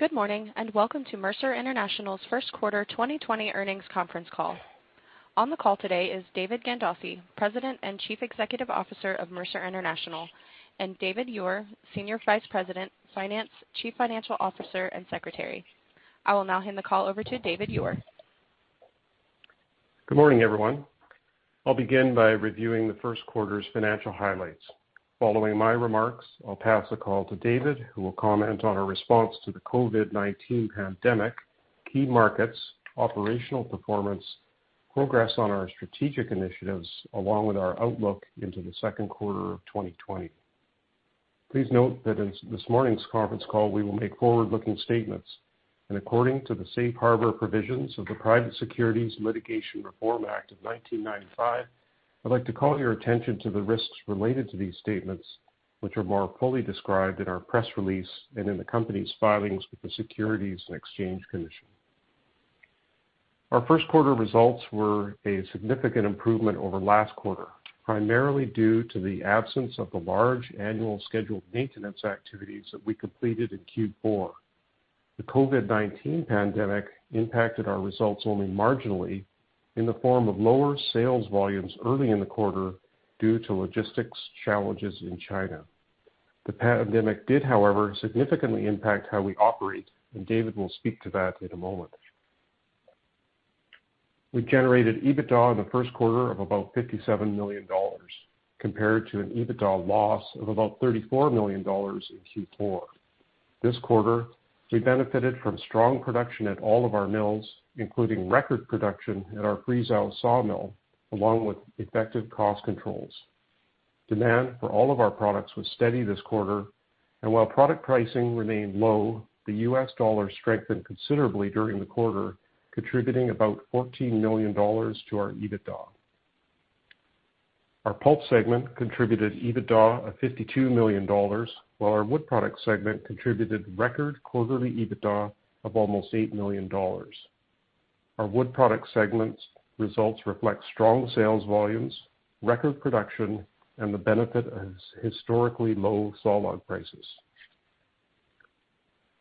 Good morning and welcome to Mercer International's first quarter 2020 earnings conference call. On the call today is David Gandossi, President and Chief Executive Officer of Mercer International, and David Ure, Senior Vice President of Finance, Chief Financial Officer, and Secretary. I will now hand the call over to David Ure. Good morning, everyone. I'll begin by reviewing the first quarter's financial highlights. Following my remarks, I'll pass the call to David, who will comment on our response to the COVID-19 pandemic, key markets, operational performance, progress on our strategic initiatives, along with our outlook into the second quarter of 2020. Please note that in this morning's conference call, we will make forward-looking statements according to the safe harbor provisions of the Private Securities Litigation Reform Act of 1995. I'd like to call your attention to the risks related to these statements, which are more fully described in our press release and in the company's filings with the Securities and Exchange Commission. Our first quarter results were a significant improvement over last quarter, primarily due to the absence of the large annual scheduled maintenance activities that we completed in Q4. The COVID-19 pandemic impacted our results only marginally in the form of lower sales volumes early in the quarter due to logistics challenges in China. The pandemic did, however, significantly impact how we operate, and David will speak to that in a moment. We generated EBITDA in the first quarter of about $57 million, compared to an EBITDA loss of about $34 million in Q4. This quarter, we benefited from strong production at all of our mills, including record production at our Friesau Sawmill, along with effective cost controls. Demand for all of our products was steady this quarter, and while product pricing remained low, the $ strengthened considerably during the quarter, contributing about $14 million to our EBITDA. Our pulp segment contributed EBITDA of $52 million, while our wood product segment contributed record quarterly EBITDA of almost $8 million. Our wood product segment results reflect strong sales volumes, record production, and the benefit of historically low sawlog prices.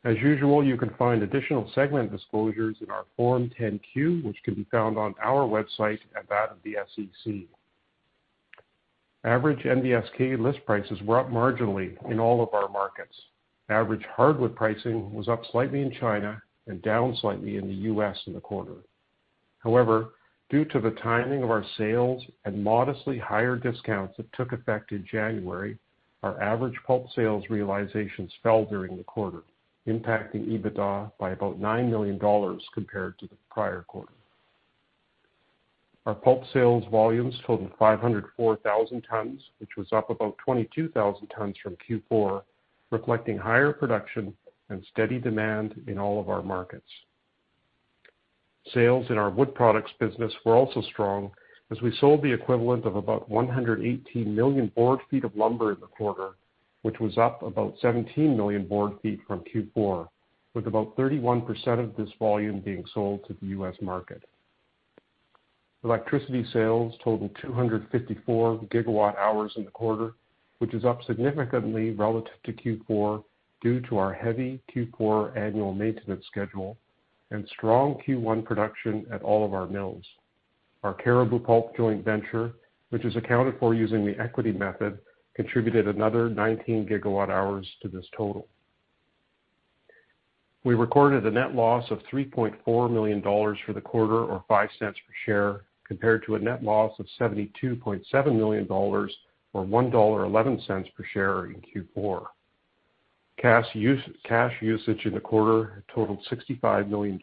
As usual, you can find additional segment disclosures in our Form 10-Q, which can be found on our website and that of the SEC. Average NBSK list prices were up marginally in all of our markets. Average hardwood pricing was up slightly in China and down slightly in the U.S. in the quarter. However, due to the timing of our sales and modestly higher discounts that took effect in January, our average pulp sales realizations fell during the quarter, impacting EBITDA by about $9 million compared to the prior quarter. Our pulp sales volumes totaled 504,000 tons, which was up about 22,000 tons from Q4, reflecting higher production and steady demand in all of our markets. Sales in our wood products business were also strong, as we sold the equivalent of about 118 million board feet of lumber in the quarter, which was up about 17 million board feet from Q4, with about 31% of this volume being sold to the U.S. market. Electricity sales totaled 254 GWh in the quarter, which is up significantly relative to Q4 due to our heavy Q4 annual maintenance schedule and strong Q1 production at all of our mills. Our Cariboo Pulp Joint Venture, which is accounted for using the equity method, contributed another 19 GWh to this total. We recorded a net loss of $3.4 million for the quarter, or $0.05 per share, compared to a net loss of $72.7 million or $1.11 per share in Q4. Cash usage in the quarter totaled $65 million,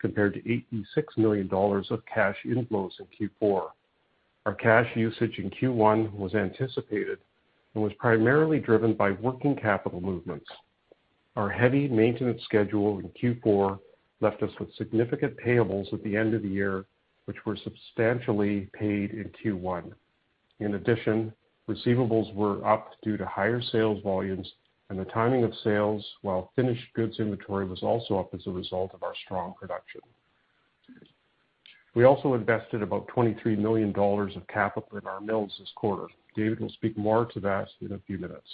compared to $86 million of cash inflows in Q4. Our cash usage in Q1 was anticipated and was primarily driven by working capital movements. Our heavy maintenance schedule in Q4 left us with significant payables at the end of the year, which were substantially paid in Q1. In addition, receivables were up due to higher sales volumes, and the timing of sales, while finished goods inventory was also up as a result of our strong production. We also invested about $23 million of capital in our mills this quarter. David will speak more to that in a few minutes.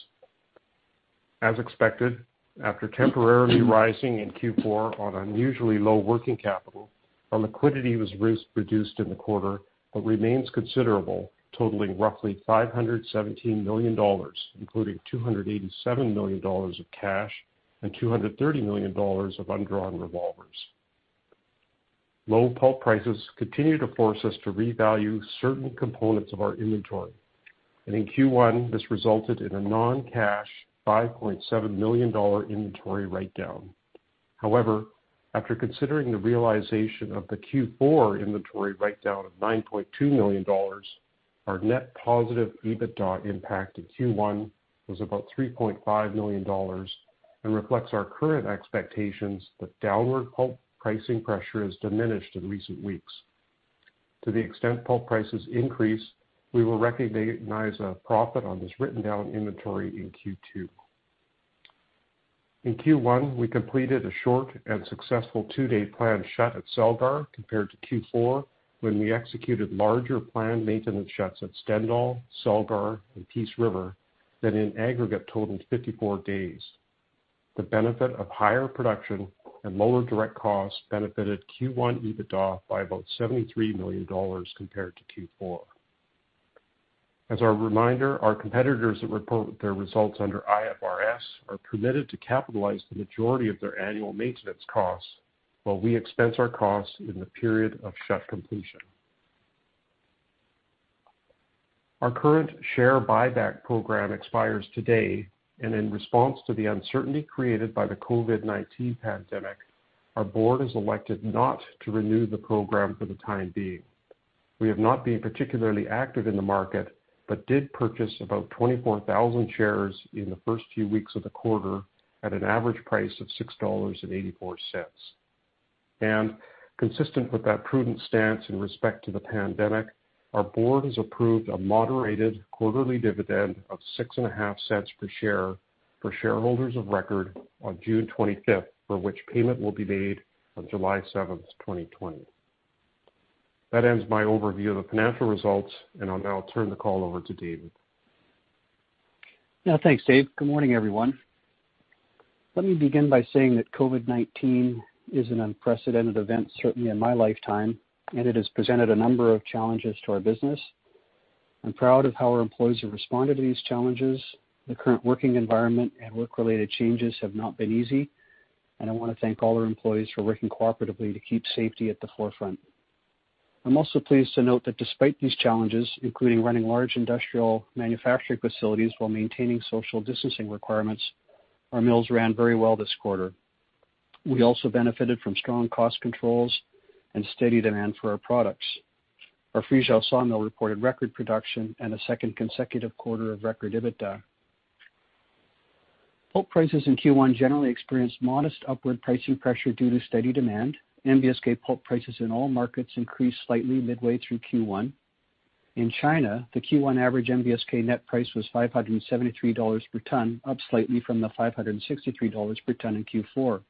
As expected, after temporarily rising in Q4 on unusually low working capital, our liquidity was reduced in the quarter but remains considerable, totaling roughly $517 million, including $287 million of cash and $230 million of undrawn revolvers. Low pulp prices continue to force us to revalue certain components of our inventory, and in Q1, this resulted in a non-cash $5.7 million inventory write-down. However, after considering the realization of the Q4 inventory write-down of $9.2 million, our net positive EBITDA impact in Q1 was about $3.5 million and reflects our current expectations that downward pulp pricing pressure has diminished in recent weeks. To the extent pulp prices increase, we will recognize a profit on this written-down inventory in Q2. In Q1, we completed a short and successful two-day planned shut at Celgar compared to Q4, when we executed larger planned maintenance shuts at Stendal, Celgar, and Peace River than in aggregate totaled 54 days. The benefit of higher production and lower direct costs benefited Q1 EBITDA by about $73 million compared to Q4. As a reminder, our competitors that report their results under IFRS are permitted to capitalize the majority of their annual maintenance costs, but we expense our costs in the period of shut completion. Our current share buyback program expires today, and in response to the uncertainty created by the COVID-19 pandemic, our board has elected not to renew the program for the time being. We have not been particularly active in the market but did purchase about 24,000 shares in the first few weeks of the quarter at an average price of $6.84. And consistent with that prudent stance in respect to the pandemic, our board has approved a moderated quarterly dividend of $0.065 per share for shareholders of record on June 25th, for which payment will be made on July 7th, 2020. That ends my overview of the financial results, and I'll now turn the call over to David. Yeah, thanks, Dave. Good morning, everyone. Let me begin by saying that COVID-19 is an unprecedented event, certainly in my lifetime, and it has presented a number of challenges to our business. I'm proud of how our employees have responded to these challenges. The current working environment and work-related changes have not been easy, and I want to thank all our employees for working cooperatively to keep safety at the forefront. I'm also pleased to note that despite these challenges, including running large industrial manufacturing facilities while maintaining social distancing requirements, our mills ran very well this quarter. We also benefited from strong cost controls and steady demand for our products. Our Friesau Sawmill reported record production and a second consecutive quarter of record EBITDA. Pulp prices in Q1 generally experienced modest upward pricing pressure due to steady demand. NBSK pulp prices in all markets increased slightly midway through Q1. In China, the Q1 average NBSK net price was $573 per ton, up slightly from the $563 per ton in Q4.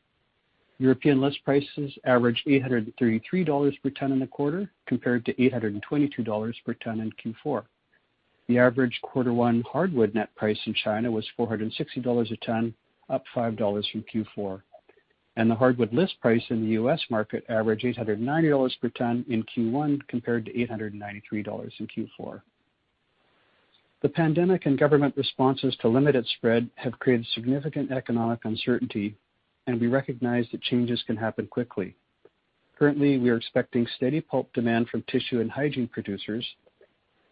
European list prices averaged $833 per ton in the quarter, compared to $822 per ton in Q4. The average quarter one hardwood net price in China was $460 a ton, up $5 from Q4, and the hardwood list price in the U.S. market averaged $890 per ton in Q1, compared to $893 in Q4. The pandemic and government responses to limited spread have created significant economic uncertainty, and we recognize that changes can happen quickly. Currently, we are expecting steady pulp demand from tissue and hygiene producers,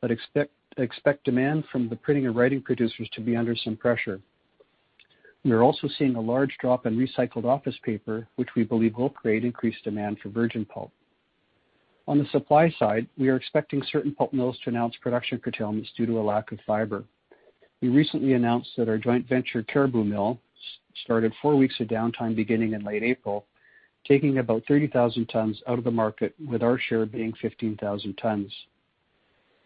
but expect demand from the printing and writing producers to be under some pressure. We are also seeing a large drop in recycled office paper, which we believe will create increased demand for virgin pulp. On the supply side, we are expecting certain pulp mills to announce production curtailments due to a lack of fiber. We recently announced that our joint venture Cariboo Mill started four weeks of downtime beginning in late April, taking about 30,000 tons out of the market, with our share being 15,000 tons.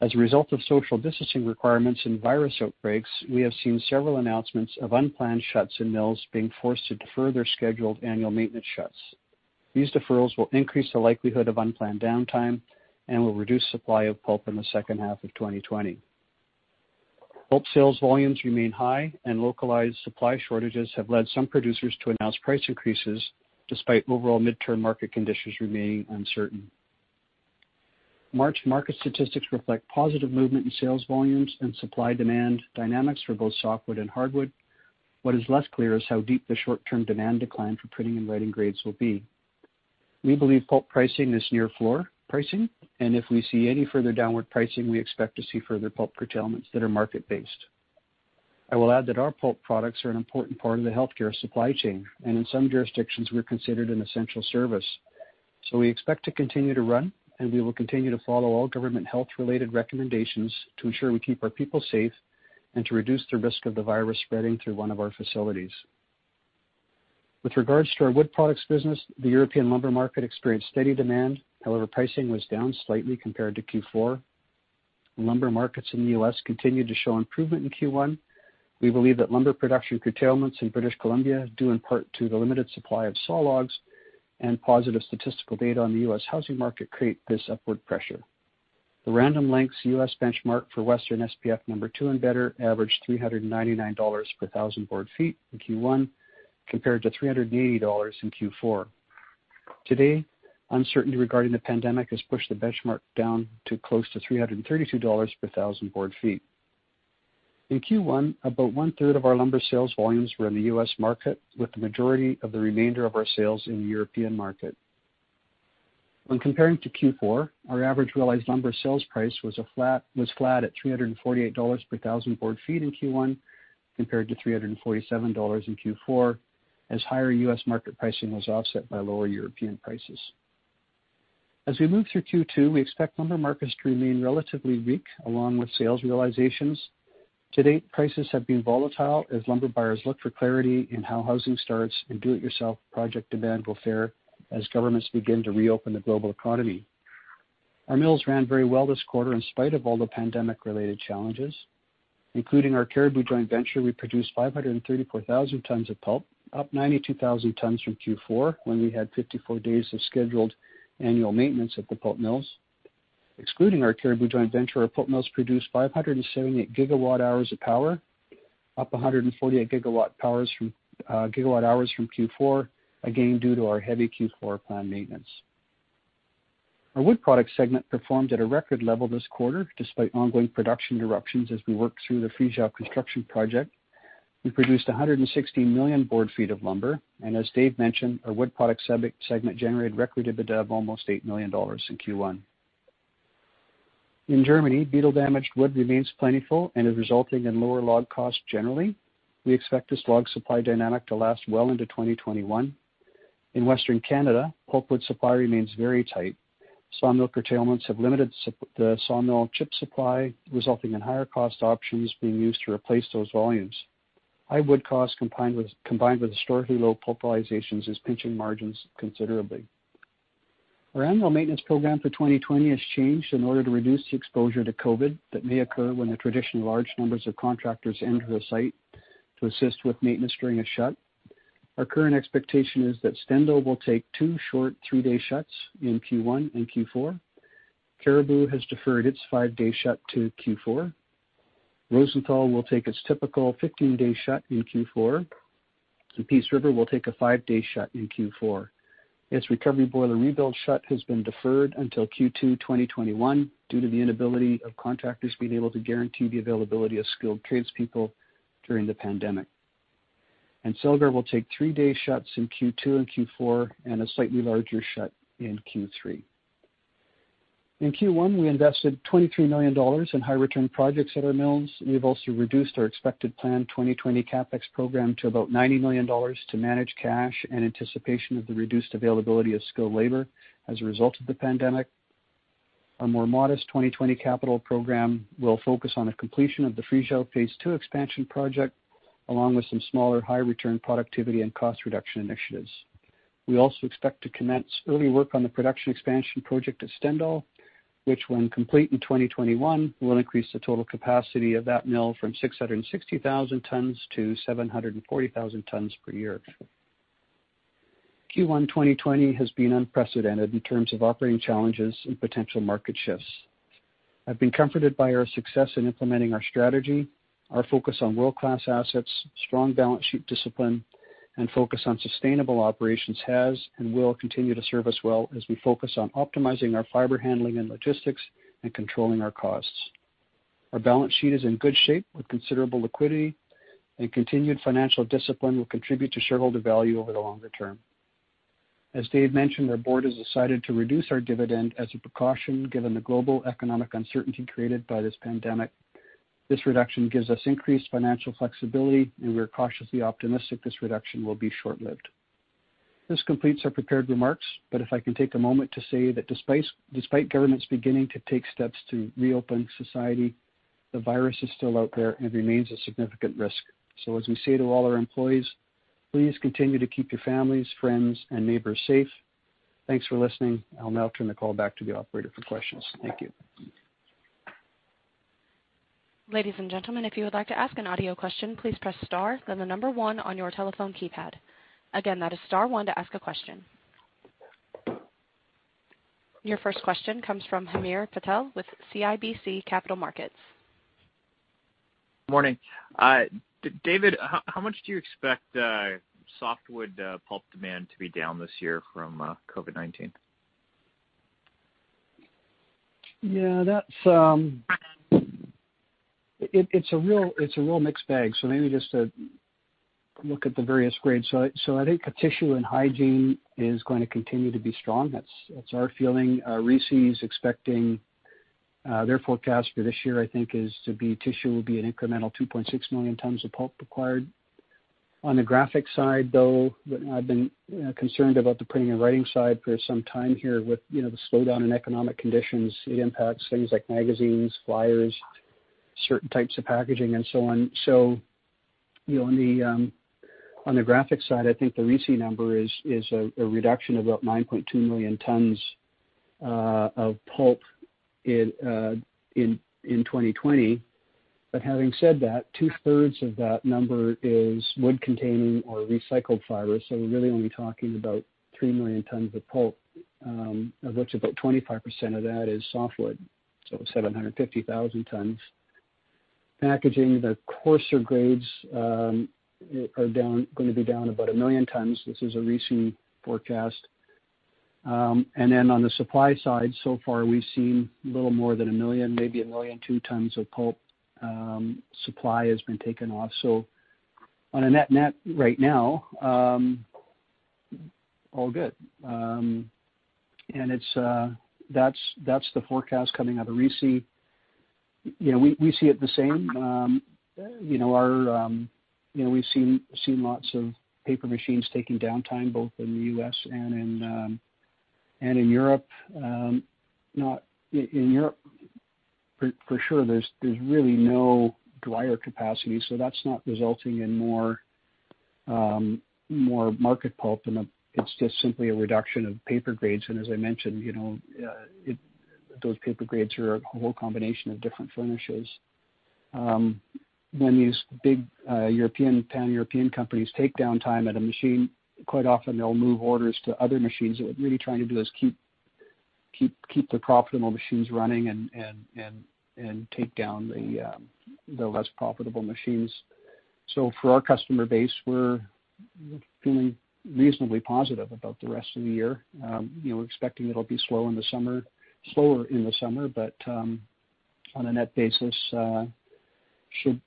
As a result of social distancing requirements and virus outbreaks, we have seen several announcements of unplanned shuts in mills being forced to defer their scheduled annual maintenance shuts. These deferrals will increase the likelihood of unplanned downtime and will reduce supply of pulp in the second half of 2020. Pulp sales volumes remain high, and localized supply shortages have led some producers to announce price increases, despite overall midterm market conditions remaining uncertain. March market statistics reflect positive movement in sales volumes and supply-demand dynamics for both softwood and hardwood. What is less clear is how deep the short-term demand decline for printing and writing grades will be. We believe pulp pricing is near floor pricing, and if we see any further downward pricing, we expect to see further pulp curtailments that are market-based. I will add that our pulp products are an important part of the healthcare supply chain, and in some jurisdictions, we're considered an essential service. So we expect to continue to run, and we will continue to follow all government health-related recommendations to ensure we keep our people safe and to reduce the risk of the virus spreading through one of our facilities. With regards to our wood products business, the European lumber market experienced steady demand. However, pricing was down slightly compared to Q4. Lumber markets in the U.S. continued to show improvement in Q1. We believe that lumber production curtailments in British Columbia due in part to the limited supply of sawlogs and positive statistical data on the U.S. housing market create this upward pressure. The Random Lengths U.S. benchmark for Western SPF #2 and better averaged $399 per 1000 board feet in Q1, compared to $380 in Q4. Today, uncertainty regarding the pandemic has pushed the benchmark down to close to $332 per 1,000 board feet. In Q1, about one-third of our lumber sales volumes were in the U.S. market, with the majority of the remainder of our sales in the European market. When comparing to Q4, our average realized lumber sales price was flat at $348 per 1,000 board feet in Q1, compared to $347 in Q4, as higher U.S. market pricing was offset by lower European prices. As we move through Q2, we expect lumber markets to remain relatively weak, along with sales realizations. To date, prices have been volatile as lumber buyers look for clarity in how housing starts and do-it-yourself project demand will fare as governments begin to reopen the global economy. Our mills ran very well this quarter in spite of all the pandemic-related challenges. Including our Cariboo Joint Venture, we produced 534,000 tons of pulp, up 92,000 tons from Q4 when we had 54 days of scheduled annual maintenance at the pulp mills. Excluding our Cariboo Joint Venture, our pulp mills produced 578 GWh of power, up 148 GWh from Q4, again due to our heavy Q4 planned maintenance. Our wood product segment performed at a record level this quarter, despite ongoing production interruptions as we worked through the Friesau construction project. We produced 116 million board feet of lumber, and as Dave mentioned, our wood product segment generated record EBITDA of almost $8 million in Q1. In Germany, beetle-damaged wood remains plentiful and is resulting in lower log costs generally. We expect this log supply dynamic to last well into 2021. In Western Canada, pulpwood supply remains very tight. Sawmill curtailments have limited the sawmill chip supply, resulting in higher cost options being used to replace those volumes. High wood costs combined with historically low pulp realizations are pinching margins considerably. Our annual maintenance program for 2020 has changed in order to reduce the exposure to COVID that may occur when the traditional large numbers of contractors enter the site to assist with maintenance during a shut. Our current expectation is that Stendal will take two short three-day shuts in Q1 and Q4. Cariboo has deferred its five-day shut to Q4. Rosenthal will take its typical 15-day shut in Q4, and Peace River will take a five-day shut in Q4. Its recovery boiler rebuild shut has been deferred until Q2 2021 due to the inability of contractors being able to guarantee the availability of skilled tradespeople during the pandemic. Celgar will take three-day shuts in Q2 and Q4 and a slightly larger shut in Q3. In Q1, we invested $23 million in high-return projects at our mills. We have also reduced our expected planned 2020 CapEx program to about $90 million to manage cash and anticipation of the reduced availability of skilled labor as a result of the pandemic. Our more modest 2020 capital program will focus on the completion of the Friesau Phase II expansion project, along with some smaller high-return productivity and cost reduction initiatives. We also expect to commence early work on the production expansion project at Stendal, which, when complete in 2021, will increase the total capacity of that mill from 660,000 tons to 740,000 tons per year. Q1 2020 has been unprecedented in terms of operating challenges and potential market shifts. I've been comforted by our success in implementing our strategy. Our focus on world-class assets, strong balance sheet discipline, and focus on sustainable operations has and will continue to serve us well as we focus on optimizing our fiber handling and logistics and controlling our costs. Our balance sheet is in good shape with considerable liquidity, and continued financial discipline will contribute to shareholder value over the longer term. As Dave mentioned, our board has decided to reduce our dividend as a precaution given the global economic uncertainty created by this pandemic. This reduction gives us increased financial flexibility, and we are cautiously optimistic this reduction will be short-lived. This completes our prepared remarks, but if I can take a moment to say that despite governments beginning to take steps to reopen society, the virus is still out there and remains a significant risk. So, as we say to all our employees, please continue to keep your families, friends, and neighbors safe. Thanks for listening. I'll now turn the call back to the operator for questions. Thank you. Ladies and gentlemen, if you would like to ask an audio question, please press star, then the number one on your telephone keypad. Again, that is star one to ask a question. Your first question comes from Hamir Patel with CIBC Capital Markets. Morning. David, how much do you expect softwood pulp demand to be down this year from COVID-19? Yeah, it's a real mixed bag. So maybe just to look at the various grades. So I think tissue and hygiene is going to continue to be strong. That's our feeling. RISI is expecting their forecast for this year, I think, is to be tissue will be an incremental 2.6 million tons of pulp required. On the graphic side, though, I've been concerned about the printing and writing side for some time here with the slowdown in economic conditions. It impacts things like magazines, flyers, certain types of packaging, and so on. So on the graphic side, I think the RISI number is a reduction of about 9.2 million tons of pulp in 2020. But having said that, two-thirds of that number is wood-containing or recycled fiber. So we're really only talking about 3 million tons of pulp, of which about 25% of that is softwood, so 750,000 tons. Packaging, the coarser grades are going to be down about a million tons. This is a RISI forecast, and then on the supply side, so far we've seen a little more than a million, maybe a million-two tons of pulp supply has been taken off. So on a net-net right now, all good, and that's the forecast coming out of RISI. We see it the same. We've seen lots of paper machines taking downtime, both in the U.S. and in Europe. In Europe, for sure, there's really no dryer capacity. So that's not resulting in more market pulp. It's just simply a reduction of paper grades. And as I mentioned, those paper grades are a whole combination of different furnishes. When these big European Pan-European companies take downtime at a machine, quite often they'll move orders to other machines. What we're really trying to do is keep the profitable machines running and take down the less profitable machines. So for our customer base, we're feeling reasonably positive about the rest of the year. We're expecting it'll be slow in the summer, but on a net basis,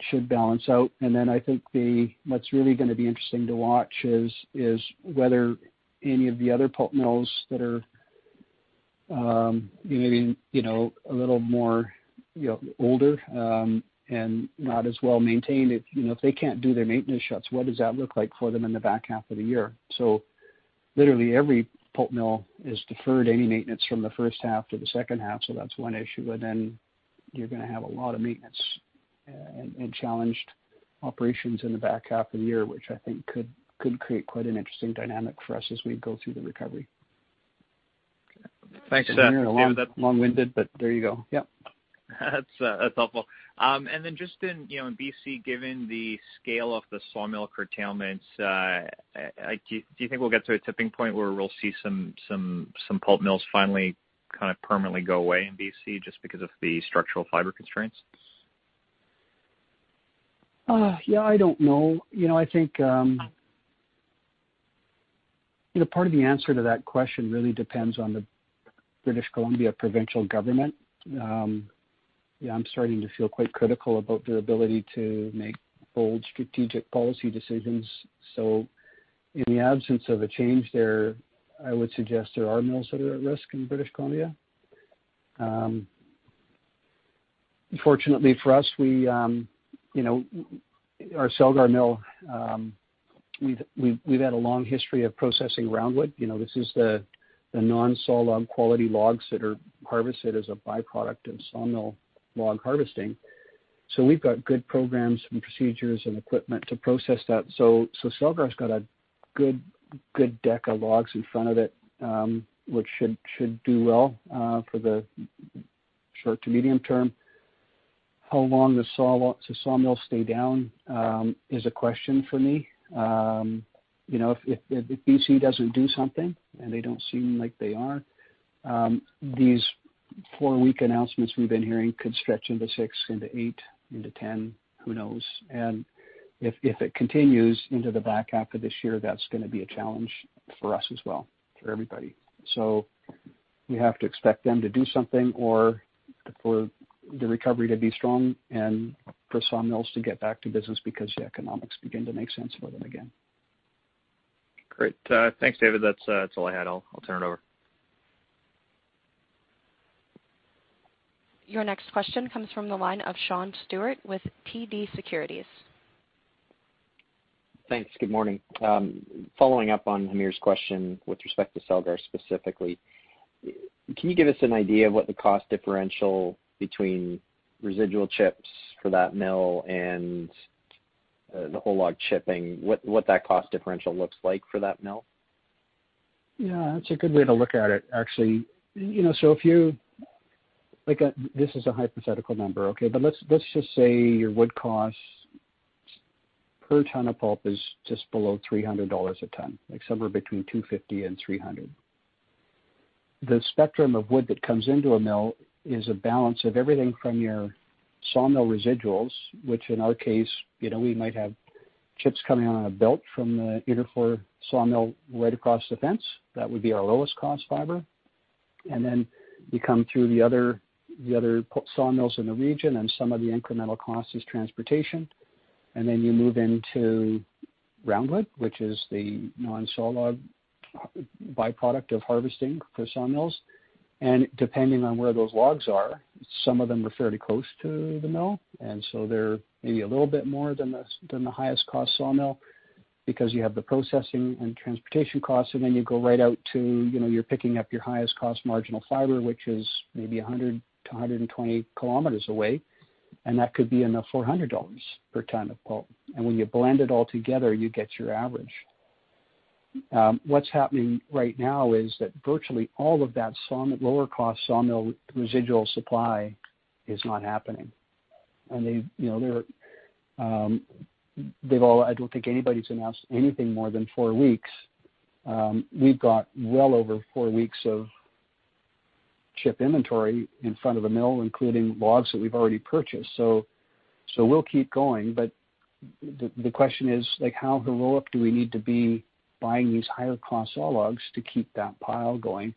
should balance out. And then I think what's really going to be interesting to watch is whether any of the other pulp mills that are maybe a little more older and not as well maintained, if they can't do their maintenance shuts, what does that look like for them in the back half of the year? So literally every pulp mill has deferred any maintenance from the first half to the second half. So that's one issue. You're going to have a lot of maintenance and challenged operations in the back half of the year, which I think could create quite an interesting dynamic for us as we go through the recovery. Thanks, that's long-winded, but there you go. Yep. That's helpful. And then just in BC, given the scale of the sawmill curtailments, do you think we'll get to a tipping point where we'll see some pulp mills finally kind of permanently go away in BC just because of the structural fiber constraints? Yeah, I don't know. I think part of the answer to that question really depends on the British Columbia provincial government. I'm starting to feel quite critical about their ability to make bold strategic policy decisions. So in the absence of a change there, I would suggest there are mills that are at risk in British Columbia. Fortunately for us, our Celgar mill, we've had a long history of processing roundwood. This is the non-sawlog quality logs that are harvested as a byproduct of sawmill log harvesting. So we've got good programs and procedures and equipment to process that. So Celgar's got a good deck of logs in front of it, which should do well for the short to medium term. How long the sawmills stay down is a question for me. If BC doesn't do something and they don't seem like they are, these four-week announcements we've been hearing could stretch into six, into eight, into ten, who knows? And if it continues into the back half of this year, that's going to be a challenge for us as well, for everybody. So we have to expect them to do something or for the recovery to be strong and for sawmills to get back to business because the economics begin to make sense for them again. Great. Thanks, David. That's all I had. I'll turn it over. Your next question comes from the line of Sean Steuart with TD Securities. Thanks. Good morning. Following up on Hamir's question with respect to Celgar specifically, can you give us an idea of what the cost differential between residual chips for that mill and the whole log chipping, what that cost differential looks like for that mill? Yeah, that's a good way to look at it, actually. So if you, this is a hypothetical number, okay? But let's just say your wood costs per ton of pulp is just below $300 a ton, somewhere between $250 and $300. The spectrum of wood that comes into a mill is a balance of everything from your sawmill residuals, which in our case, we might have chips coming out of a belt from the Interfor sawmill right across the fence. That would be our lowest cost fiber. And then you come through the other sawmills in the region and some of the incremental cost is transportation. And then you move into roundwood, which is the non-sawlog byproduct of harvesting for sawmills. And depending on where those logs are, some of them are fairly close to the mill. And so they're maybe a little bit more than the highest cost sawmill because you have the processing and transportation costs, and then you go right out to, you're picking up your highest cost marginal fiber, which is maybe 100-120 km away. And that could be in the $400 per ton of pulp. And when you blend it all together, you get your average. What's happening right now is that virtually all of that lower-cost sawmill residual supply is not happening. And they've all. I don't think anybody's announced anything more than four weeks. We've got well over four weeks of chip inventory in front of the mill, including logs that we've already purchased. So we'll keep going. But the question is, how heroic do we need to be buying these higher-cost sawlogs to keep that pile going?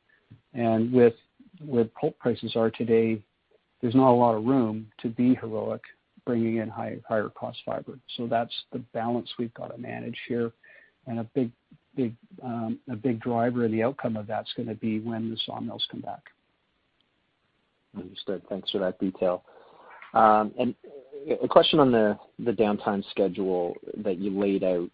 With what pulp prices are today, there's not a lot of room to be heroic bringing in higher-cost fiber. So that's the balance we've got to manage here. A big driver of the outcome of that's going to be when the sawmills come back. Understood. Thanks for that detail. And a question on the downtime schedule that you laid out.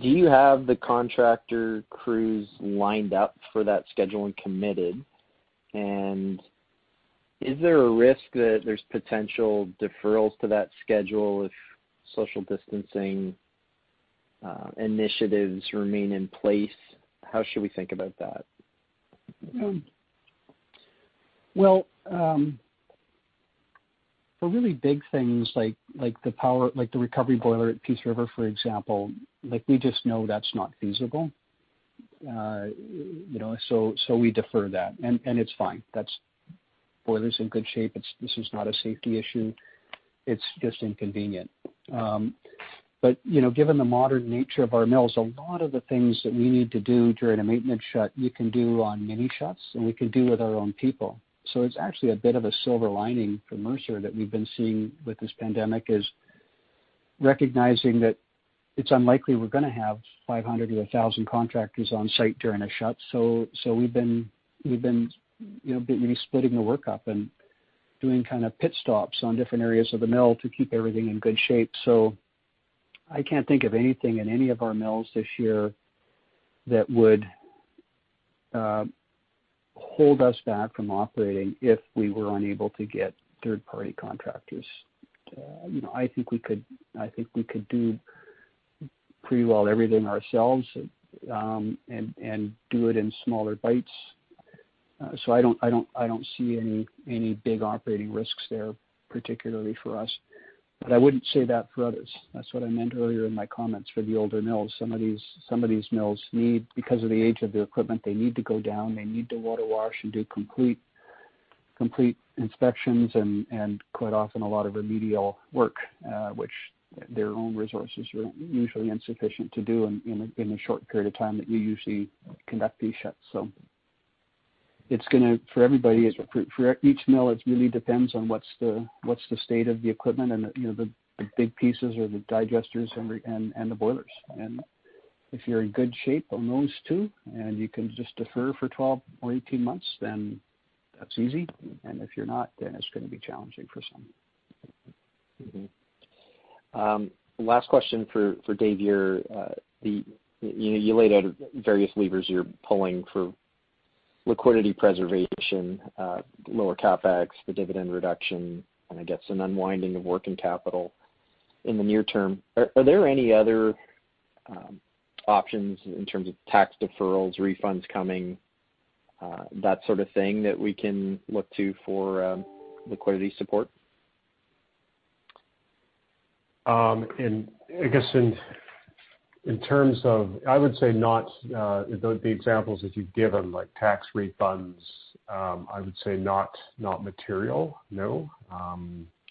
Do you have the contractor crews lined up for that schedule and committed? And is there a risk that there's potential deferrals to that schedule if social distancing initiatives remain in place? How should we think about that? For really big things like the recovery boiler at Peace River, for example, we just know that's not feasible. So we defer that. It's fine. boiler's in good shape. This is not a safety issue. It's just inconvenient. Given the modern nature of our mills, a lot of the things that we need to do during a maintenance shut, you can do on mini shuts, and we can do with our own people. It's actually a bit of a silver lining for Mercer that we've been seeing with this pandemic is recognizing that it's unlikely we're going to have 500-1,000 contractors on site during a shut. We've been splitting the work up and doing kind of pit stops on different areas of the mill to keep everything in good shape. So I can't think of anything in any of our mills this year that would hold us back from operating if we were unable to get third-party contractors. I think we could do pretty well everything ourselves and do it in smaller bites. So I don't see any big operating risks there, particularly for us. But I wouldn't say that for others. That's what I meant earlier in my comments for the older mills. Some of these mills need, because of the age of their equipment, they need to go down. They need to water wash and do complete inspections and quite often a lot of remedial work, which their own resources are usually insufficient to do in the short period of time that you usually conduct these shuts. So for everybody, for each mill, it really depends on what's the state of the equipment and the big pieces or the digesters and the boilers. And if you're in good shape on those two and you can just defer for 12 or 18 months, then that's easy. And if you're not, then it's going to be challenging for some. Last question for David Ure. You laid out various levers you're pulling for liquidity preservation, lower CapEx, the dividend reduction, and I guess an unwinding of working capital in the near term. Are there any other options in terms of tax deferrals, refunds coming, that sort of thing that we can look to for liquidity support? And I guess in terms of, I would say not the examples that you've given, like tax refunds, I would say not material. No.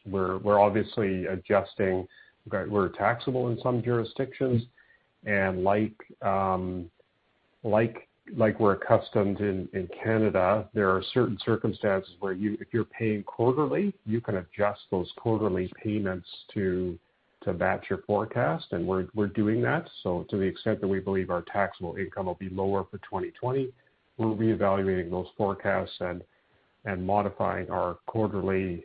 We're obviously adjusting. We're taxable in some jurisdictions. And like we're accustomed in Canada, there are certain circumstances where if you're paying quarterly, you can adjust those quarterly payments to match your forecast. And we're doing that. So to the extent that we believe our taxable income will be lower for 2020, we're reevaluating those forecasts and modifying our quarterly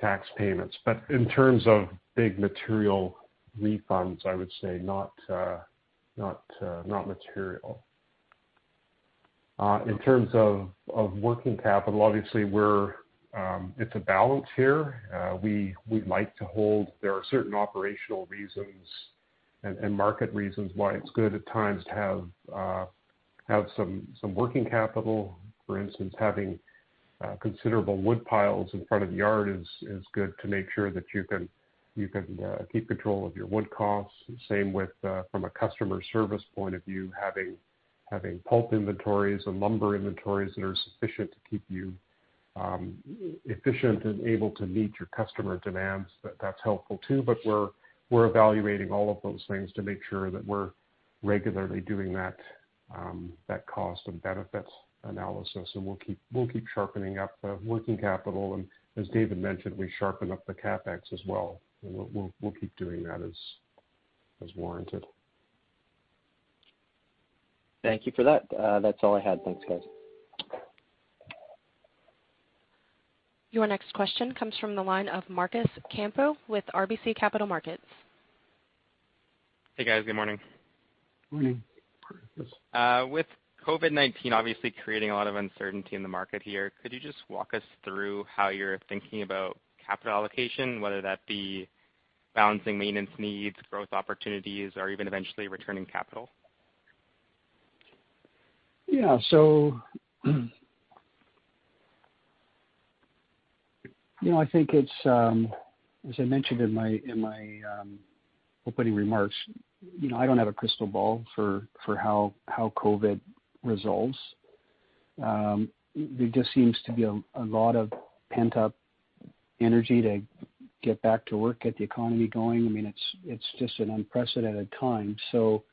tax payments. But in terms of big material refunds, I would say not material. In terms of working capital, obviously, it's a balance here. We like to hold. There are certain operational reasons and market reasons why it's good at times to have some working capital. For instance, having considerable wood piles in front of the yard is good to make sure that you can keep control of your wood costs. Same with, from a customer service point of view, having pulp inventories and lumber inventories that are sufficient to keep you efficient and able to meet your customer demands. That's helpful too. But we're evaluating all of those things to make sure that we're regularly doing that cost and benefit analysis. And we'll keep sharpening up the working capital. And as David mentioned, we sharpen up the CapEx as well. We'll keep doing that as warranted. Thank you for that. That's all I had. Thanks, guys. Your next question comes from the line of Marcus Campeau with RBC Capital Markets. Hey, guys. Good morning. Morning. With COVID-19 obviously creating a lot of uncertainty in the market here, could you just walk us through how you're thinking about capital allocation, whether that be balancing maintenance needs, growth opportunities, or even eventually returning capital? Yeah. So I think it's, as I mentioned in my opening remarks, I don't have a crystal ball for how COVID resolves. There just seems to be a lot of pent-up energy to get back to work, get the economy going. I mean, it's just an unprecedented time. So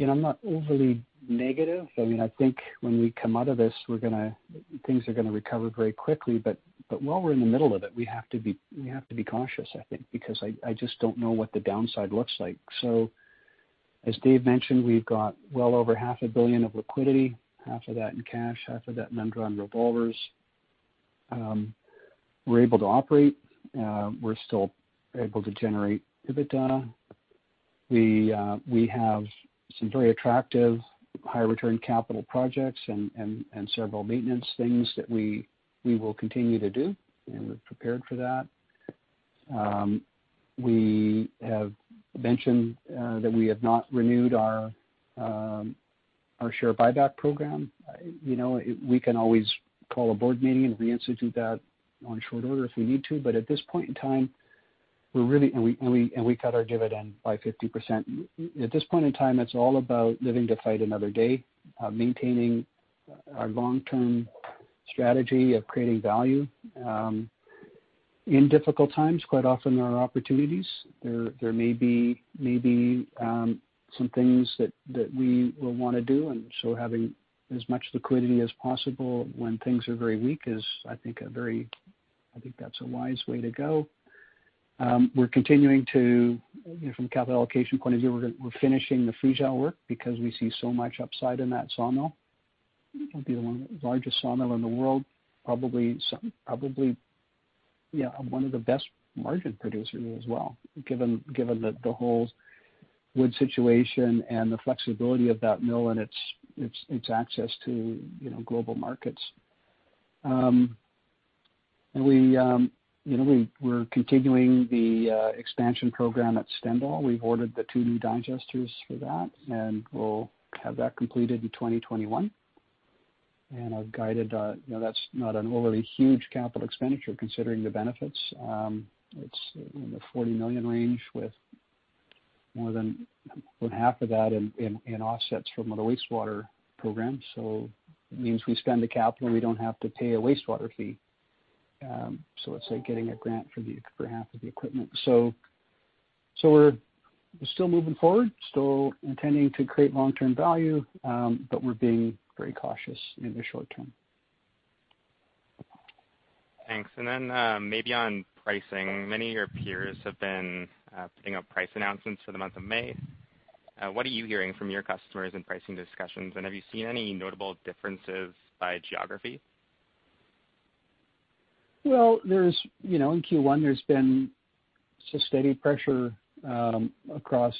I'm not overly negative. I mean, I think when we come out of this, things are going to recover very quickly. But while we're in the middle of it, we have to be cautious, I think, because I just don't know what the downside looks like. So as Dave mentioned, we've got well over $500 million of liquidity, half of that in cash, half of that in undrawn revolvers. We're able to operate. We're still able to generate EBITDA. We have some very attractive high-return capital projects and several maintenance things that we will continue to do. We're prepared for that. We have mentioned that we have not renewed our share buyback program. We can always call a board meeting and reinstitute that on short order if we need to. But at this point in time, we're really, and we cut our dividend by 50%. At this point in time, it's all about living to fight another day, maintaining our long-term strategy of creating value. In difficult times, quite often there are opportunities. There may be some things that we will want to do. And so having as much liquidity as possible when things are very weak is, I think, a very, I think that's a wise way to go. We're continuing to, from a capital allocation point of view, we're finishing the Friesau work because we see so much upside in that sawmill. It'll be the largest sawmill in the world, probably one of the best margin producers as well, given the whole wood situation and the flexibility of that mill and its access to global markets. And we're continuing the expansion program at Stendal. We've ordered the two new digesters for that, and we'll have that completed in 2021. And I've guided, that's not an overly huge capital expenditure considering the benefits. It's in the $40 million range with more than half of that in offsets from the wastewater program. So it means we spend the capital. We don't have to pay a wastewater fee. So it's like getting a grant for half of the equipment. So we're still moving forward, still intending to create long-term value, but we're being very cautious in the short term. Thanks. And then maybe on pricing, many of your peers have been putting out price announcements for the month of May. What are you hearing from your customers in pricing discussions? And have you seen any notable differences by geography? Well, in Q1, there's been just steady pressure across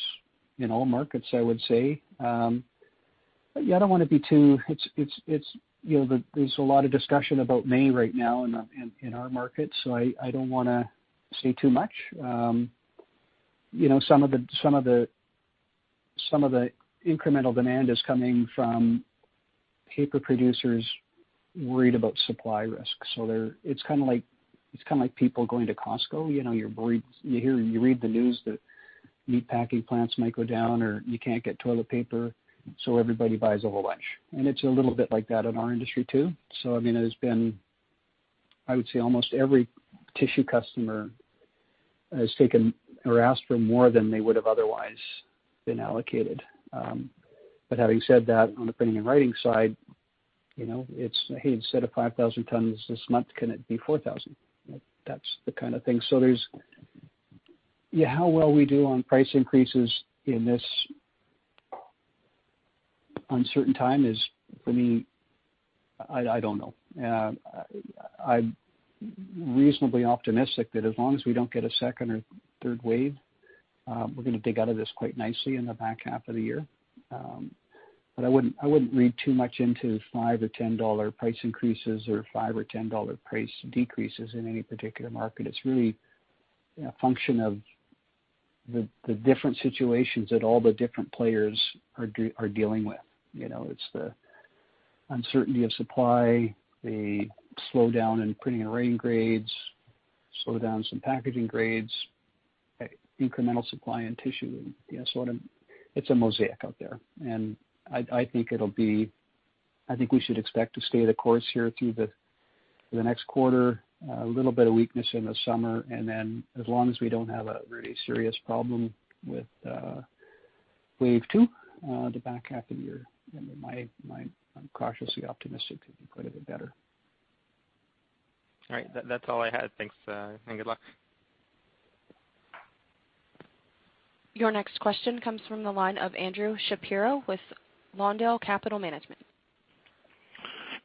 all markets, I would say. But yeah, I don't want to be too. There's a lot of discussion about May right now in our market, so I don't want to say too much. Some of the incremental demand is coming from paper producers worried about supply risks. So it's kind of like people going to Costco. You read the news that meat packing plants might go down or you can't get toilet paper, so everybody buys a whole bunch, and it's a little bit like that in our industry too. So I mean, it has been, I would say, almost every tissue customer has taken or asked for more than they would have otherwise been allocated. But having said that, on the printing and writing side, it's, "Hey, instead of 5,000 tons this month, can it be 4,000?" That's the kind of thing. So how well we do on price increases in this uncertain time is, for me, I don't know. I'm reasonably optimistic that as long as we don't get a second or third wave, we're going to dig out of this quite nicely in the back half of the year. But I wouldn't read too much into $5 or $10 price increases or $5 or $10 price decreases in any particular market. It's really a function of the different situations that all the different players are dealing with. It's the uncertainty of supply, the slowdown in printing and writing grades, slowdowns in packaging grades, incremental supply in tissue. So it's a mosaic out there. I think it'll be, I think we should expect to stay the course here through the next quarter, a little bit of weakness in the summer. Then as long as we don't have a really serious problem with wave two, the back half of the year, I'm cautiously optimistic it'll be quite a bit better. All right. That's all I had. Thanks and good luck. Your next question comes from the line of Andrew Shapiro with Lawndale Capital Management.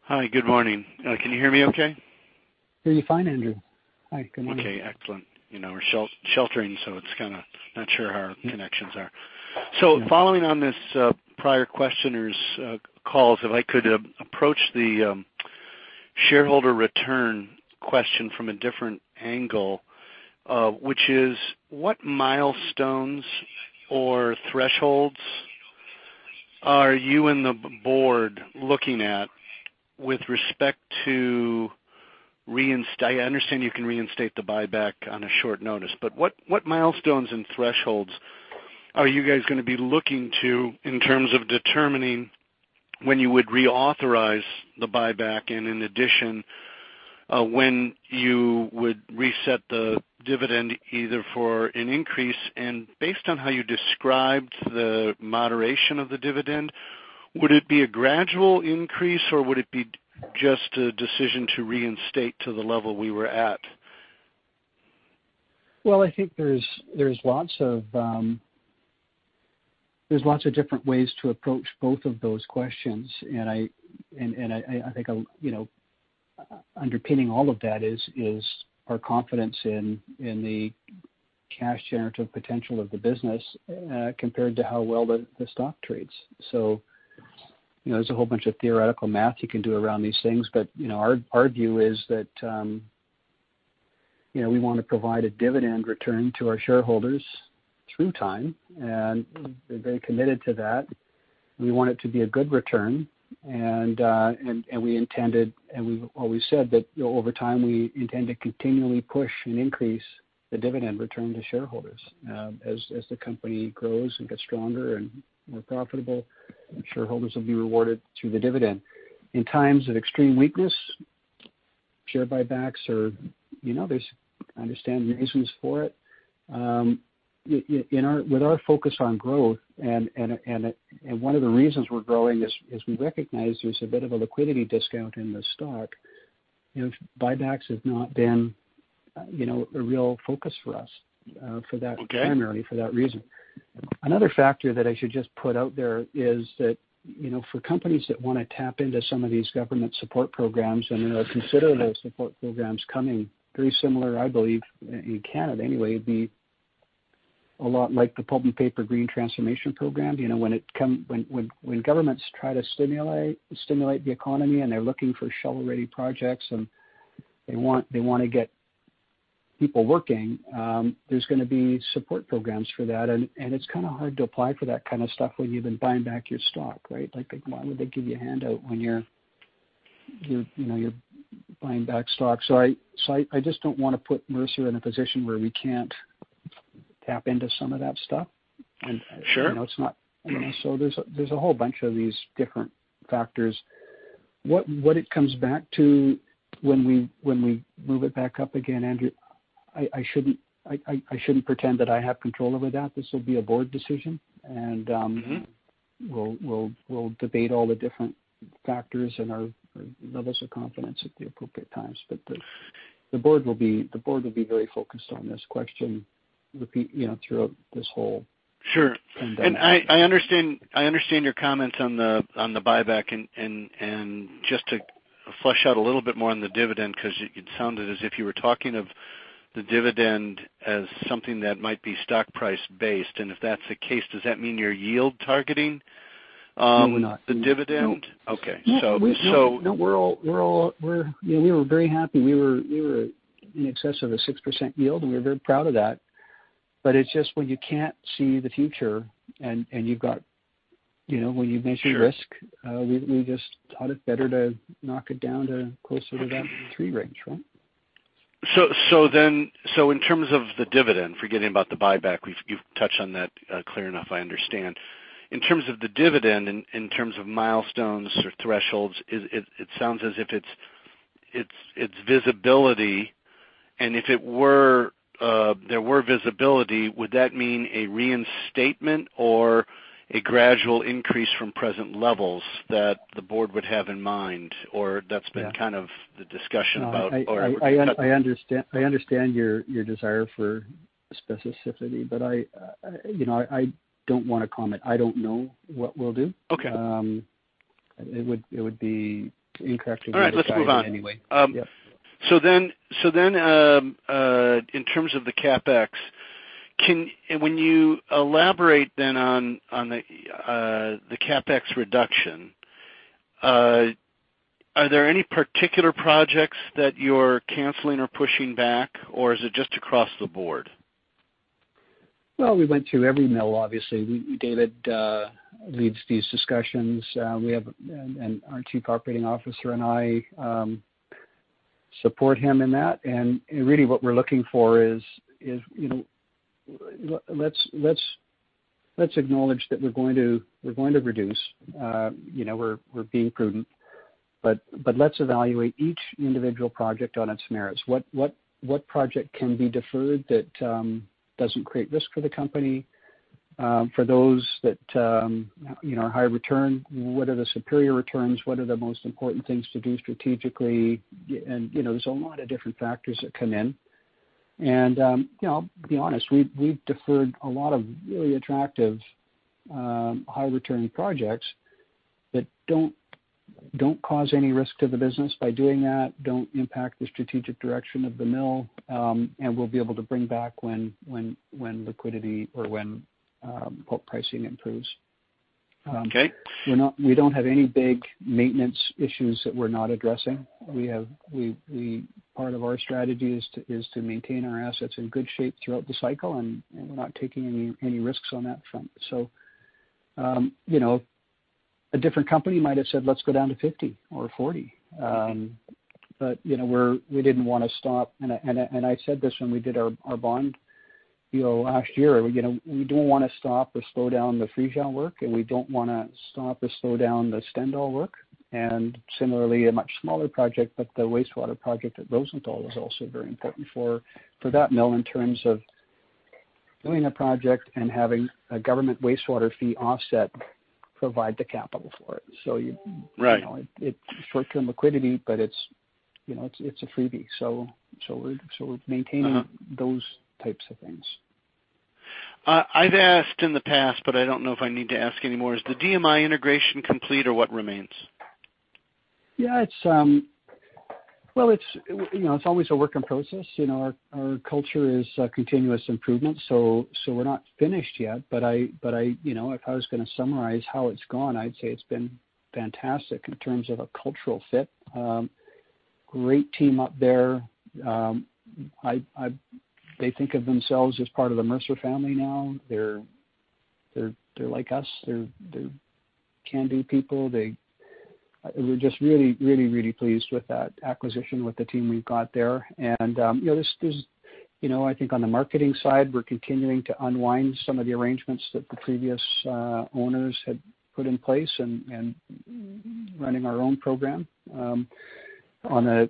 Hi. Good morning. Can you hear me okay? Hear you fine, Andrew. Hi. Good morning. Okay. Excellent. We're sheltering, so it's kind of not sure how our connections are. So following on this prior questioner's calls, if I could approach the shareholder return question from a different angle, which is, what milestones or thresholds are you and the board looking at with respect to. I understand you can reinstate the buyback on a short notice. But what milestones and thresholds are you guys going to be looking to in terms of determining when you would reauthorize the buyback? And in addition, when you would reset the dividend either for an increase? And based on how you described the moderation of the dividend, would it be a gradual increase, or would it be just a decision to reinstate to the level we were at? I think there's lots of different ways to approach both of those questions. And I think underpinning all of that is our confidence in the cash generative potential of the business compared to how well the stock trades. So there's a whole bunch of theoretical math you can do around these things. But our view is that we want to provide a dividend return to our shareholders through time. And we're very committed to that. We want it to be a good return. And we intended, and we've always said that over time, we intend to continually push and increase the dividend return to shareholders. As the company grows and gets stronger and more profitable, shareholders will be rewarded through the dividend. In times of extreme weakness, share buybacks are. I understand the reasons for it. With our focus on growth, and one of the reasons we're growing is we recognize there's a bit of a liquidity discount in the stock. Buybacks have not been a real focus for us primarily for that reason. Another factor that I should just put out there is that for companies that want to tap into some of these government support programs, and there are considerable support programs coming, very similar, I believe, in Canada anyway, it'd be a lot like the Pulp and Paper Green Transformation Program. When governments try to stimulate the economy and they're looking for shovel-ready projects and they want to get people working, there's going to be support programs for that. And it's kind of hard to apply for that kind of stuff when you've been buying back your stock, right? Why would they give you a handout when you're buying back stock? So I just don't want to put Mercer in a position where we can't tap into some of that stuff. And it's not. I don't know. So there's a whole bunch of these different factors. What it comes back to when we move it back up again, Andrew, I shouldn't pretend that I have control over that. This will be a board decision. And we'll debate all the different factors and our levels of confidence at the appropriate times. But the board will be very focused on this question throughout this whole pandemic. Sure. And I understand your comments on the buyback. And just to flesh out a little bit more on the dividend, because it sounded as if you were talking of the dividend as something that might be stock price-based. And if that's the case, does that mean you're yield targeting the dividend? No, we're not. Okay. So. No, we were very happy. We were in excess of a 6% yield, and we were very proud of that. But it's just when you can't see the future and when you measure risk, we just thought it's better to knock it down to closer to that 3% range, right? So in terms of the dividend, forgetting about the buyback, you've touched on that clear enough, I understand. In terms of the dividend, in terms of milestones or thresholds, it sounds as if it's visibility. And if there were visibility, would that mean a reinstatement or a gradual increase from present levels that the board would have in mind? Or that's been kind of the discussion about. I understand your desire for specificity, but I don't want to comment. I don't know what we'll do. It would be incorrect to give you a comment anyway. All right. Let's move on. So then in terms of the CapEx, when you elaborate then on the CapEx reduction, are there any particular projects that you're canceling or pushing back, or is it just across the board? We went through every mill, obviously. David leads these discussions. Our Chief Operating Officer and I support him in that. Really, what we're looking for is let's acknowledge that we're going to reduce. We're being prudent. But let's evaluate each individual project on its merits. What project can be deferred that doesn't create risk for the company? For those that are high return, what are the superior returns? What are the most important things to do strategically? And there's a lot of different factors that come in. I'll be honest, we've deferred a lot of really attractive high-return projects that don't cause any risk to the business by doing that, don't impact the strategic direction of the mill, and we'll be able to bring back when liquidity or when pulp pricing improves. We don't have any big maintenance issues that we're not addressing. Part of our strategy is to maintain our assets in good shape throughout the cycle, and we're not taking any risks on that front. So a different company might have said, "Let's go down to 50 or 40." But we didn't want to stop. And I said this when we did our bond last year. We don't want to stop or slow down the Friesau work, and we don't want to stop or slow down the Stendal work. And similarly, a much smaller project, but the wastewater project at Rosenthal is also very important for that mill in terms of doing a project and having a government wastewater fee offset provide the capital for it. So it's short-term liquidity, but it's a freebie. So we're maintaining those types of things. I've asked in the past, but I don't know if I need to ask anymore. Is the DMI integration complete, or what remains? Yeah. Well, it's always a work in process. Our culture is continuous improvement. So we're not finished yet. But if I was going to summarize how it's gone, I'd say it's been fantastic in terms of a cultural fit. Great team up there. They think of themselves as part of the Mercer family now. They're like us. They're candy people. We're just really, really, really pleased with that acquisition with the team we've got there. And there's, I think, on the marketing side, we're continuing to unwind some of the arrangements that the previous owners had put in place and running our own program. On a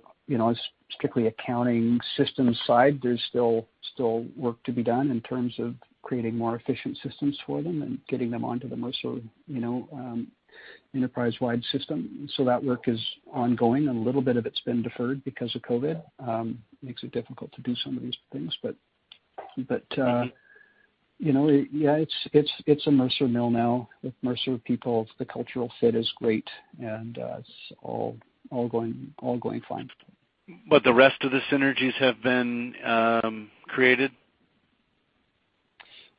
strictly accounting systems side, there's still work to be done in terms of creating more efficient systems for them and getting them onto the Mercer enterprise-wide system. So that work is ongoing. And a little bit of it's been deferred because of COVID. It makes it difficult to do some of these things. But yeah, it's a Mercer mill now with Mercer people. The cultural fit is great, and it's all going fine. But the rest of the synergies have been created?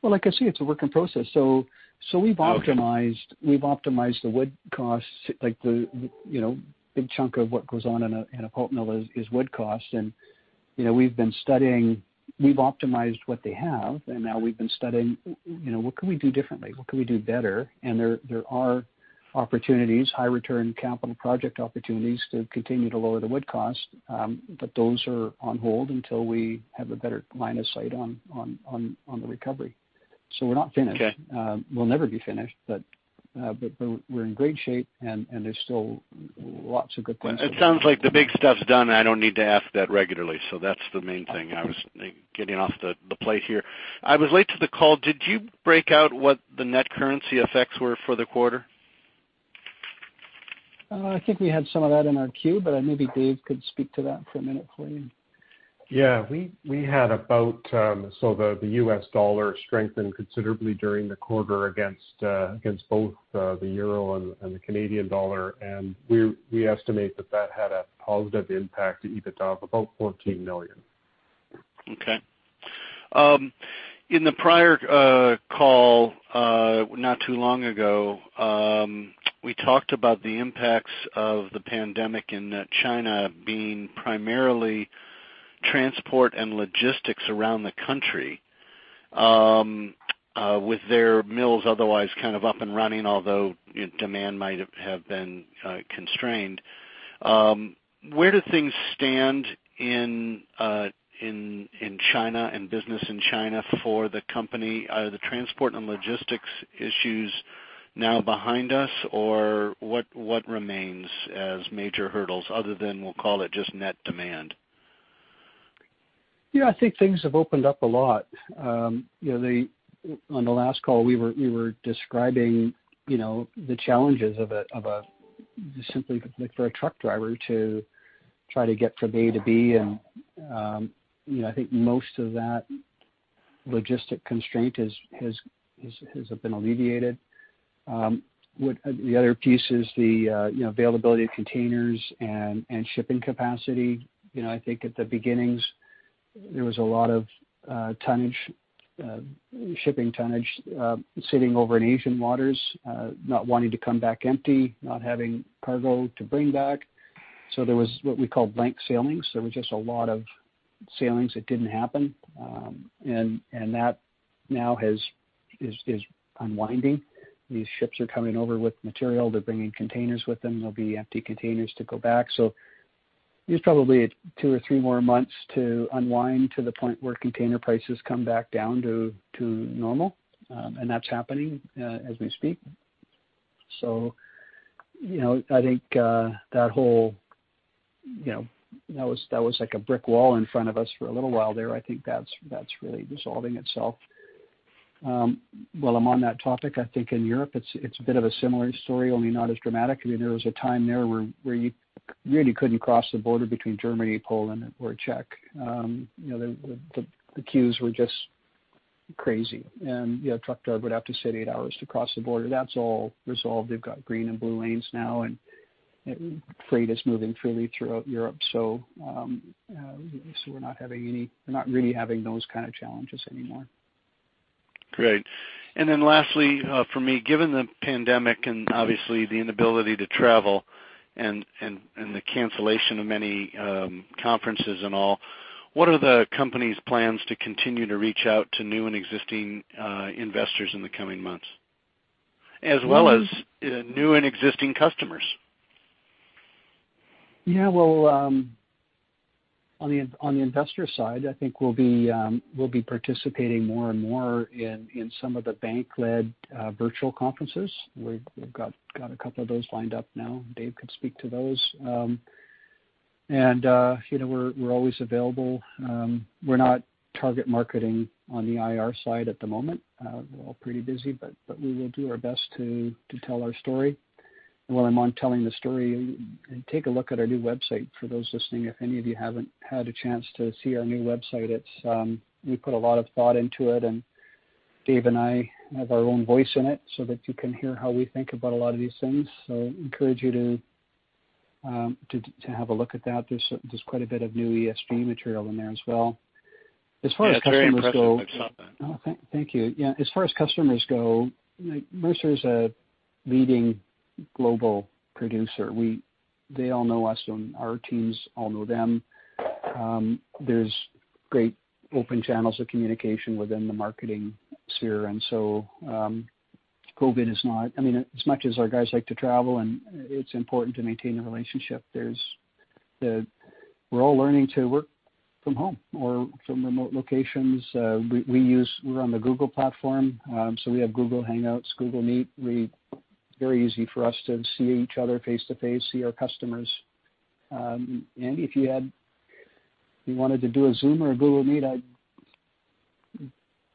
Like I say, it's a work in process. We've optimized the wood costs. The big chunk of what goes on in a pulp mill is wood costs. And we've been studying. We've optimized what they have. And now we've been studying, "What can we do differently? What can we do better?" And there are opportunities, high-return capital project opportunities to continue to lower the wood cost. But those are on hold until we have a better line of sight on the recovery. So we're not finished. We'll never be finished. But we're in great shape, and there's still lots of good things to do. It sounds like the big stuff's done. I don't need to ask that regularly. So that's the main thing. I was getting off the plane here. I was late to the call. Did you break out what the net currency effects were for the quarter? I think we had some of that in our queue, but maybe Dave could speak to that for a minute for you. Yeah. We had about, so the $ strengthened considerably during the quarter against both the euro and the CAD. And we estimate that that had a positive impact to EBITDA of about $14 million. Okay. In the prior call not too long ago, we talked about the impacts of the pandemic in China being primarily transport and logistics around the country with their mills otherwise kind of up and running, although demand might have been constrained. Where do things stand in China and business in China for the company? Are the transport and logistics issues now behind us, or what remains as major hurdles other than, we'll call it, just net demand? Yeah. I think things have opened up a lot. On the last call, we were describing the challenges of simply for a truck driver to try to get from A to B, and I think most of that logistic constraint has been alleviated. The other piece is the availability of containers and shipping capacity. I think at the beginnings, there was a lot of shipping tonnage sitting over in Asian waters, not wanting to come back empty, not having cargo to bring back. So there was what we call blank sailings. There was just a lot of sailings that didn't happen, and that now is unwinding. These ships are coming over with material. They're bringing containers with them. There'll be empty containers to go back. So there's probably two or three more months to unwind to the point where container prices come back down to normal. That's happening as we speak. I think that whole—that was like a brick wall in front of us for a little while there. I think that's really dissolving itself. While I'm on that topic, I think in Europe, it's a bit of a similar story, only not as dramatic. I mean, there was a time there where you really couldn't cross the border between Germany, Poland, or Czech. The queues were just crazy. And a truck driver would have to sit eight hours to cross the border. That's all resolved. They've got green and blue lanes now. And freight is moving freely throughout Europe. We're not having any—we're not really having those kind of challenges anymore. Great. And then lastly for me, given the pandemic and obviously the inability to travel and the cancellation of many conferences and all, what are the company's plans to continue to reach out to new and existing investors in the coming months, as well as new and existing customers? Yeah. Well, on the investor side, I think we'll be participating more and more in some of the bank-led virtual conferences. We've got a couple of those lined up now. Dave could speak to those. And we're always available. We're not target marketing on the IR side at the moment. We're all pretty busy, but we will do our best to tell our story. And while I'm on telling the story, take a look at our new website for those listening. If any of you haven't had a chance to see our new website, we put a lot of thought into it. And Dave and I have our own voice in it so that you can hear how we think about a lot of these things. So encourage you to have a look at that. There's quite a bit of new ESG material in there as well. As far as customers go. I'll try to open up something. Thank you. Yeah. As far as customers go, Mercer is a leading global producer. They all know us, and our teams all know them. There's great open channels of communication within the marketing sphere. And so COVID is not - I mean, as much as our guys like to travel, and it's important to maintain a relationship, we're all learning to work from home or from remote locations. We're on the Google platform. So we have Google Hangouts, Google Meet. Very easy for us to see each other face-to-face, see our customers. And if you wanted to do a Zoom or a Google Meet, I'd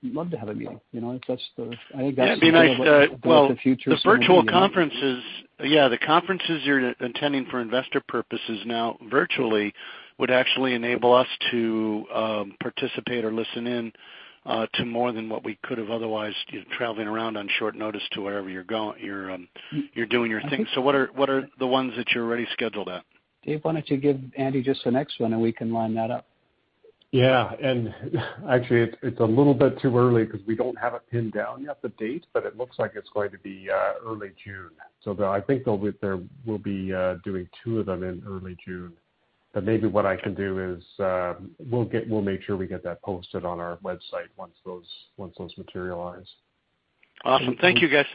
love to have a meeting. I think that's the future for us. Yeah. The virtual conferences, yeah, the conferences you're attending for investor purposes now virtually would actually enable us to participate or listen in to more than what we could have otherwise, traveling around on short notice to wherever you're doing your things. So what are the ones that you're already scheduled at? Dave, why don't you give Andy just the next one, and we can line that up? Yeah, and actually, it's a little bit too early because we don't have it pinned down yet, the date, but it looks like it's going to be early June, so I think we'll be doing two of them in early June, but maybe what I can do is we'll make sure we get that posted on our website once those materialize. Awesome. Thank you, guys.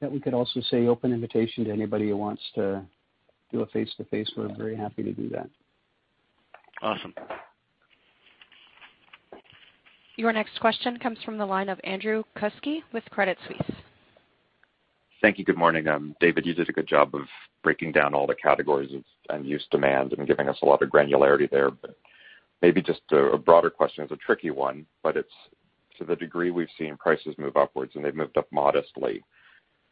Yeah. We could also say open invitation to anybody who wants to do a face-to-face. We're very happy to do that. Awesome. Your next question comes from the line of Andrew Kuske with Credit Suisse. Thank you. Good morning. David, you did a good job of breaking down all the categories and unused demand and giving us a lot of granularity there. But maybe just a broader question is a tricky one. But to the degree we've seen prices move upwards, and they've moved up modestly,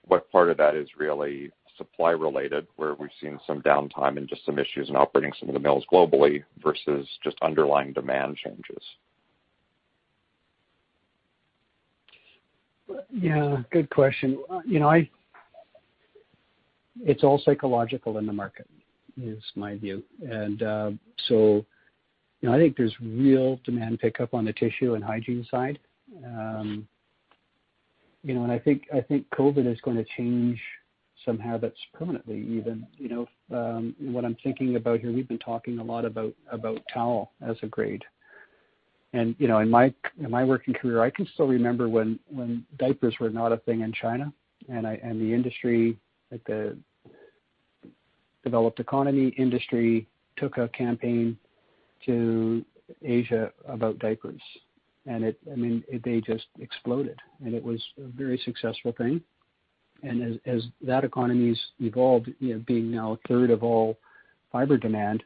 what part of that is really supply-related, where we've seen some downtime and just some issues in operating some of the mills globally versus just underlying demand changes? Yeah. Good question. It's all psychological in the market, is my view. And so I think there's real demand pickup on the tissue and hygiene side. And I think COVID is going to change some habits permanently, even. What I'm thinking about here, we've been talking a lot about towel as a grade. And in my working career, I can still remember when diapers were not a thing in China. And the developed economy industry took a campaign to Asia about diapers. And I mean, they just exploded. And it was a very successful thing. And as that economy's evolved, being now a third of all fiber demand,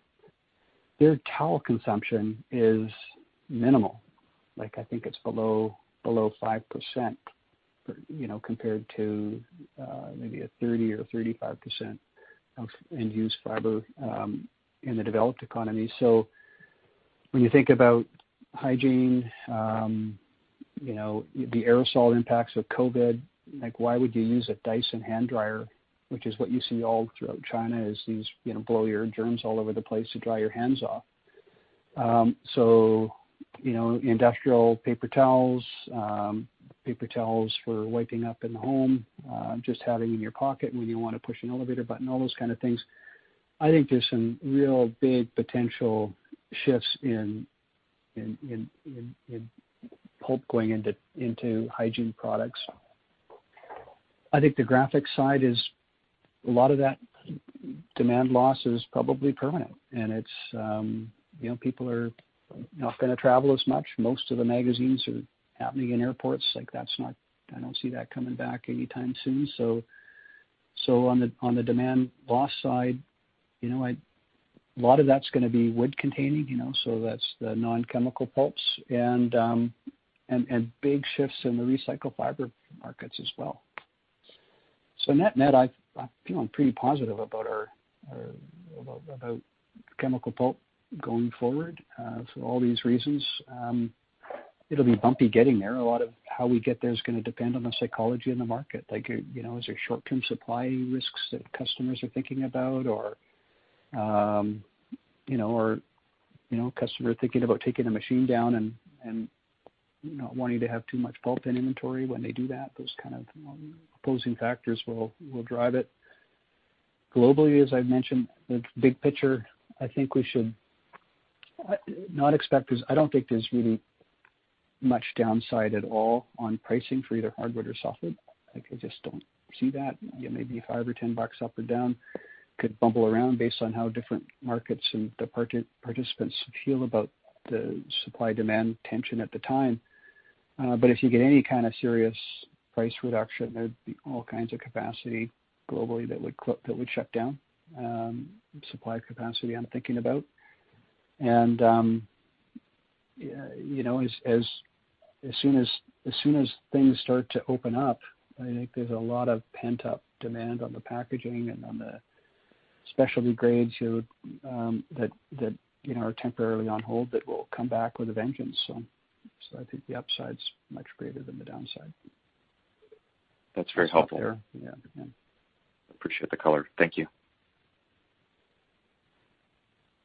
their towel consumption is minimal. I think it's below 5% compared to maybe a 30% or 35% of end-use fiber in the developed economy. So when you think about hygiene, the aerosol impacts of COVID, why would you use a Dyson hand dryer, which is what you see all throughout China as these blow-your-germs all over the place to dry your hands off? So industrial paper towels, paper towels for wiping up in the home, just having in your pocket when you want to push an elevator button, all those kind of things. I think there's some real big potential shifts in pulp going into hygiene products. I think the graphic side is a lot of that demand loss is probably permanent. And people are not going to travel as much. Most of the magazines are happening in airports. I don't see that coming back anytime soon. So on the demand loss side, a lot of that's going to be wood-containing. So that's the non-chemical pulps. Big shifts in the recycled fiber markets as well. Net-net, I'm feeling pretty positive about chemical pulp going forward for all these reasons. It'll be bumpy getting there. A lot of how we get there is going to depend on the psychology in the market. Is there short-term supply risks that customers are thinking about? Or customers are thinking about taking a machine down and not wanting to have too much pulp in inventory when they do that. Those kind of opposing factors will drive it. Globally, as I've mentioned, the big picture, I think we should not expect. I don't think there's really much downside at all on pricing for either hardwood or softwood. I just don't see that. Maybe five or 10 bucks up or down could bumble around based on how different markets and participants feel about the supply-demand tension at the time. But if you get any kind of serious price reduction, there'd be all kinds of capacity globally that would shut down. Supply capacity, I'm thinking about. And as soon as things start to open up, I think there's a lot of pent-up demand on the packaging and on the specialty grades that are temporarily on hold that will come back with a vengeance. So I think the upside's much greater than the downside. That's very helpful. Yeah. Yeah. Appreciate the color. Thank you.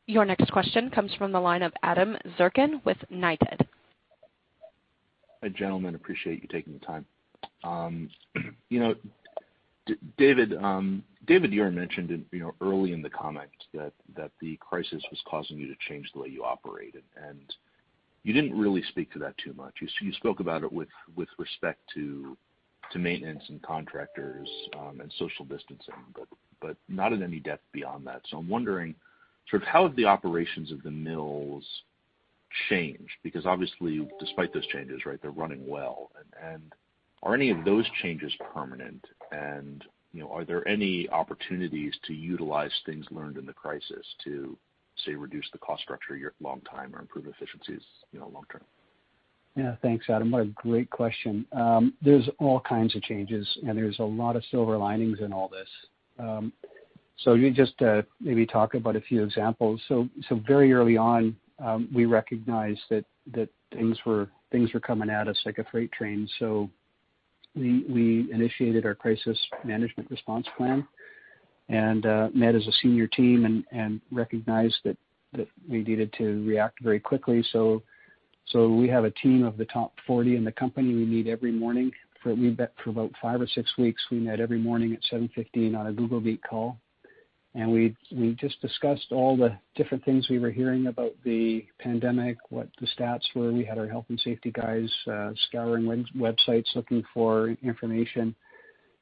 Your next question comes from the line of Adam Zirkin with Knighthead. Hi, gentlemen. Appreciate you taking the time. David, you mentioned early in the comments that the crisis was causing you to change the way you operated. And you didn't really speak to that too much. You spoke about it with respect to maintenance and contractors and social distancing, but not in any depth beyond that. So I'm wondering sort of how have the operations of the mills changed? Because obviously, despite those changes, right, they're running well. And are any of those changes permanent? And are there any opportunities to utilize things learned in the crisis to, say, reduce the cost structure long-term or improve efficiencies long-term? Yeah. Thanks, Adam. What a great question. There's all kinds of changes, and there's a lot of silver linings in all this, so just to maybe talk about a few examples so very early on, we recognized that things were coming at us like a freight train so we initiated our crisis management response plan and met as a senior team and recognized that we needed to react very quickly so we have a team of the top 40 in the company we meet every morning. For about five or six weeks, we met every morning at 7:15 A.M. on a Google Meet call and we just discussed all the different things we were hearing about the pandemic, what the stats were. We had our health and safety guys scouring websites looking for information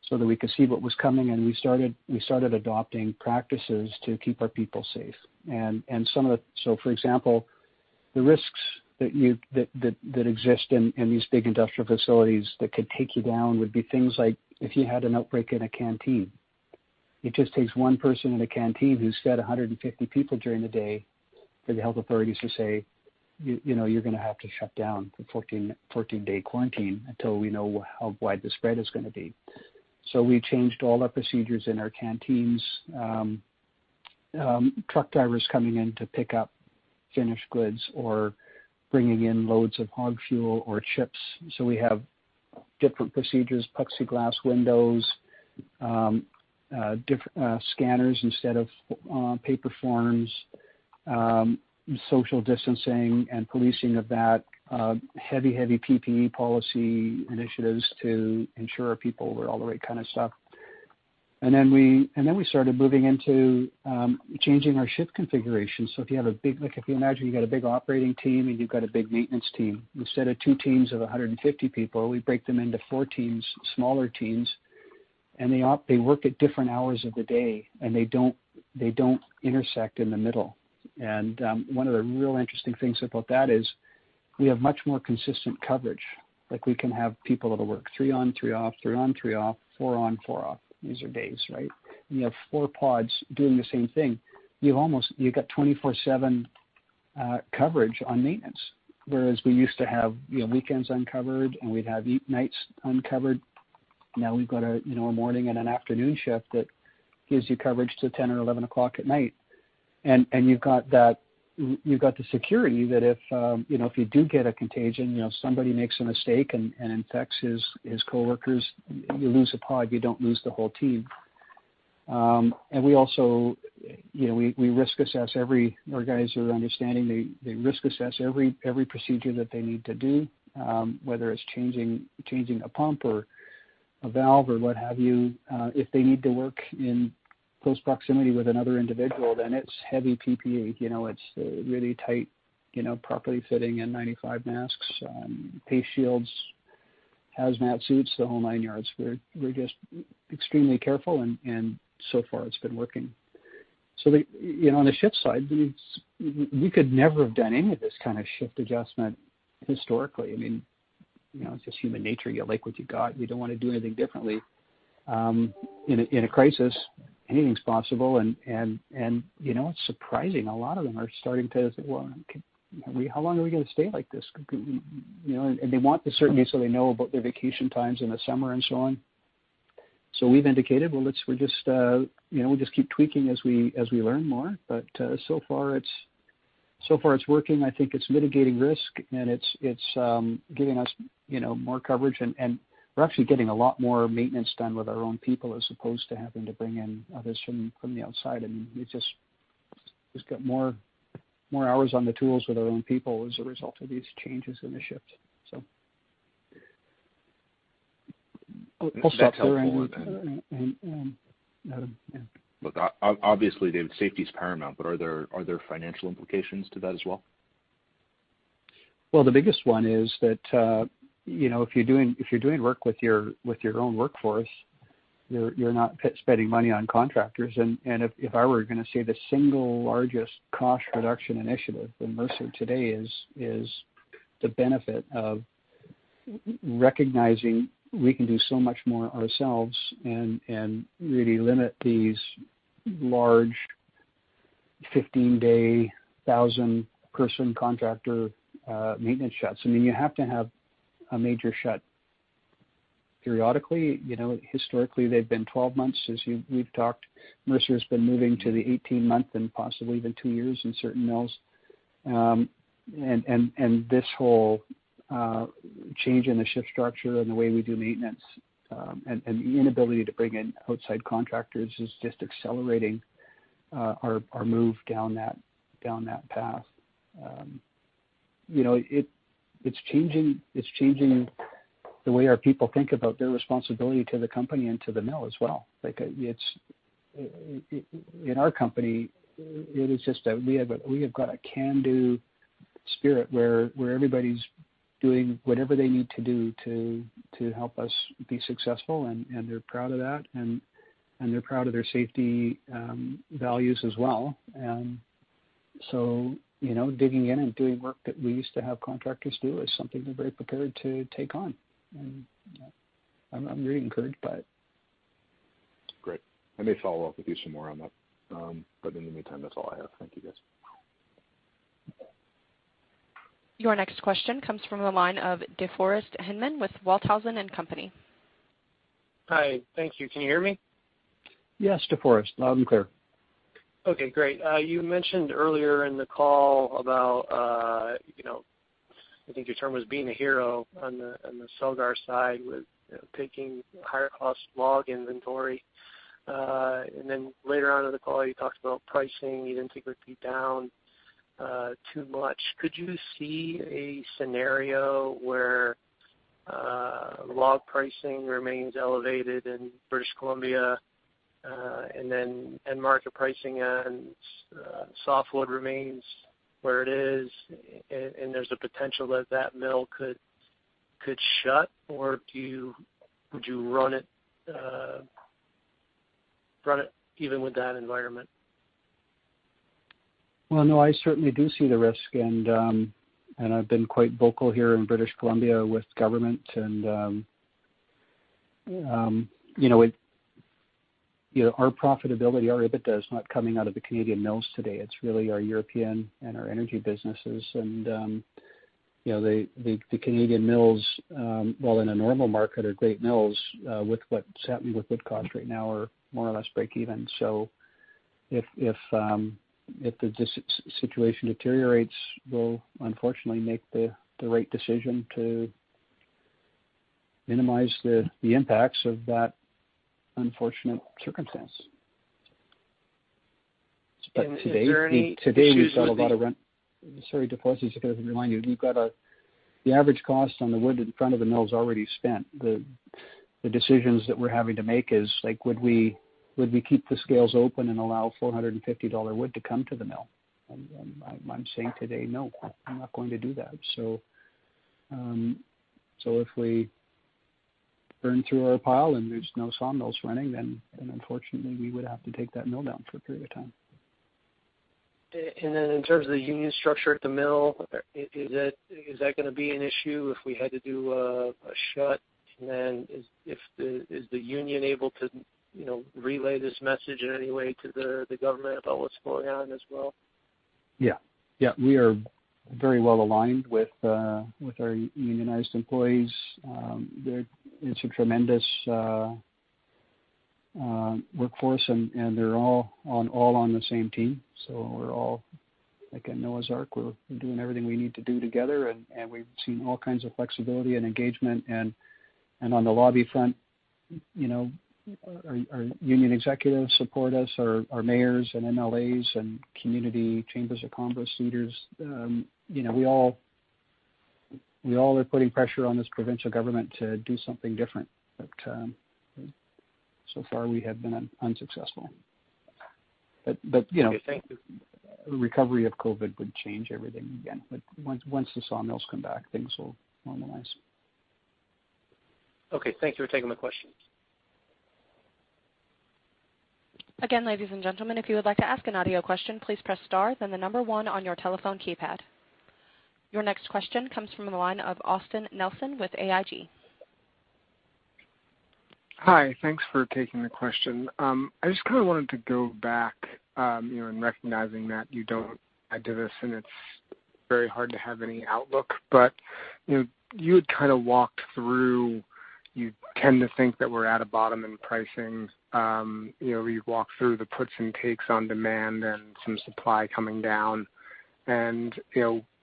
so that we could see what was coming. We started adopting practices to keep our people safe. Some of the—so, for example, the risks that exist in these big industrial facilities that could take you down would be things like if you had an outbreak in a canteen. It just takes one person in a canteen who's fed 150 people during the day for the health authorities to say, "You're going to have to shut down for a 14-day quarantine until we know how wide the spread is going to be." We changed all our procedures in our canteens. Truck drivers coming in to pick up finished goods or bringing in loads of hog fuel or chips. We have different procedures: plexiglass windows, scanners instead of paper forms, social distancing and policing of that, heavy, heavy PPE policy initiatives to ensure our people were all the right kind of stuff. And then we started moving into changing our shift configuration. So if you have a big, if you imagine you've got a big operating team and you've got a big maintenance team, instead of two teams of 150 people, we break them into four teams, smaller teams. And they work at different hours of the day, and they don't intersect in the middle. And one of the real interesting things about that is we have much more consistent coverage. We can have people at work, three on, three off, three on, three off, four on, four off. These are days, right? You have four pods doing the same thing. You've got 24/7 coverage on maintenance, whereas we used to have weekends uncovered, and we'd have nights uncovered. Now we've got a morning and an afternoon shift that gives you coverage till 10 or 11 o'clock at night. You've got the security that if you do get a contagion, somebody makes a mistake and infects his coworkers, you lose a pod. You don't lose the whole team. We also risk assess every. Our guys are understanding. They risk assess every procedure that they need to do, whether it's changing a pump or a valve or what have you. If they need to work in close proximity with another individual, then it's heavy PPE. It's really tight, properly fitting N95 masks, face shields, hazmat suits, the whole nine yards. We're just extremely careful, and so far, it's been working. On the shift side, we could never have done any of this kind of shift adjustment historically. I mean, it's just human nature. You like what you got. You don't want to do anything differently. In a crisis, anything's possible. It's surprising. A lot of them are starting to say, "Well, how long are we going to stay like this?" And they want the certainty so they know about their vacation times in the summer and so on. So we've indicated, "Well, we're just keep tweaking as we learn more." But so far, it's working. I think it's mitigating risk, and it's giving us more coverage. And we're actually getting a lot more maintenance done with our own people as opposed to having to bring in others from the outside. I mean, we've just got more hours on the tools with our own people as a result of these changes in the shift, so, I'll stop there. Obviously, the safety is paramount, but are there financial implications to that as well? The biggest one is that if you're doing work with your own workforce, you're not spending money on contractors. If I were going to say the single largest cost reduction initiative in Mercer today is the benefit of recognizing we can do so much more ourselves and really limit these large 15-day, 1,000-person contractor maintenance shots. I mean, you have to have a major shot periodically. Historically, they've been 12 months, as we've talked. Mercer has been moving to the 18-month and possibly even two years in certain mills. This whole change in the shift structure and the way we do maintenance and the inability to bring in outside contractors is just accelerating our move down that path. It's changing the way our people think about their responsibility to the company and to the mill as well. In our company, it is just that we have got a can-do spirit where everybody's doing whatever they need to do to help us be successful, and they're proud of that. And they're proud of their safety values as well. And so digging in and doing work that we used to have contractors do is something they're very prepared to take on. And I'm very encouraged by it. Great. I may follow up with you some more on that. But in the meantime, that's all I have. Thank you, guys. Your next question comes from the line of DeForest Hinman with Walthausen & Company. Hi. Thank you. Can you hear me? Yes, DeForest. Loud and clear. Okay. Great. You mentioned earlier in the call about, I think your term was being a hero on the Celgar side with taking higher-cost log inventory. And then later on in the call, you talked about pricing. You didn't think it would be down too much. Could you see a scenario where log pricing remains elevated in British Columbia and then market pricing and softwood remains where it is, and there's a potential that that mill could shut? Or would you run it even with that environment? No, I certainly do see the risk. I've been quite vocal here in British Columbia with government. Our profitability, our EBITDA is not coming out of the Canadian mills today. It's really our European and our energy businesses. The Canadian mills, while in a normal market, are great mills. With what's happening with wood costs right now, we're more or less break-even. If the situation deteriorates, we'll unfortunately make the right decision to minimize the impacts of that unfortunate circumstance. Is there any? Today, sorry, DeForest, just to remind you, the average cost on the wood in front of the mill is already spent. The decisions that we're having to make is, would we keep the scales open and allow $450 wood to come to the mill, and I'm saying today, no, we're not going to do that, so if we burn through our pile and there's no sawmills running, then unfortunately, we would have to take that mill down for a period of time. In terms of the union structure at the mill, is that going to be an issue if we had to do a shut? Is the union able to relay this message in any way to the government about what's going on as well? Yeah. We are very well aligned with our unionized employees. It's a tremendous workforce, and they're all on the same team. So we're all, like at Noah's Ark, doing everything we need to do together. We've seen all kinds of flexibility and engagement. On the lobby front, our union executives support us, our mayors and MLAs and community chambers of commerce leaders. We all are putting pressure on this provincial government to do something different. So far, we have been unsuccessful. Recovery from COVID would change everything again. Once the sawmills come back, things will normalize. Okay. Thank you for taking my question. Again, ladies and gentlemen, if you would like to ask an audio question, please press star, then the number one on your telephone keypad. Your next question comes from the line of Austin Nelson with AIG. Hi. Thanks for taking the question. I just kind of wanted to go back and recognizing that you don't. I did this, and it's very hard to have any outlook. But you had kind of walked through. You tend to think that we're at a bottom in pricing. We walked through the puts and takes on demand and some supply coming down. And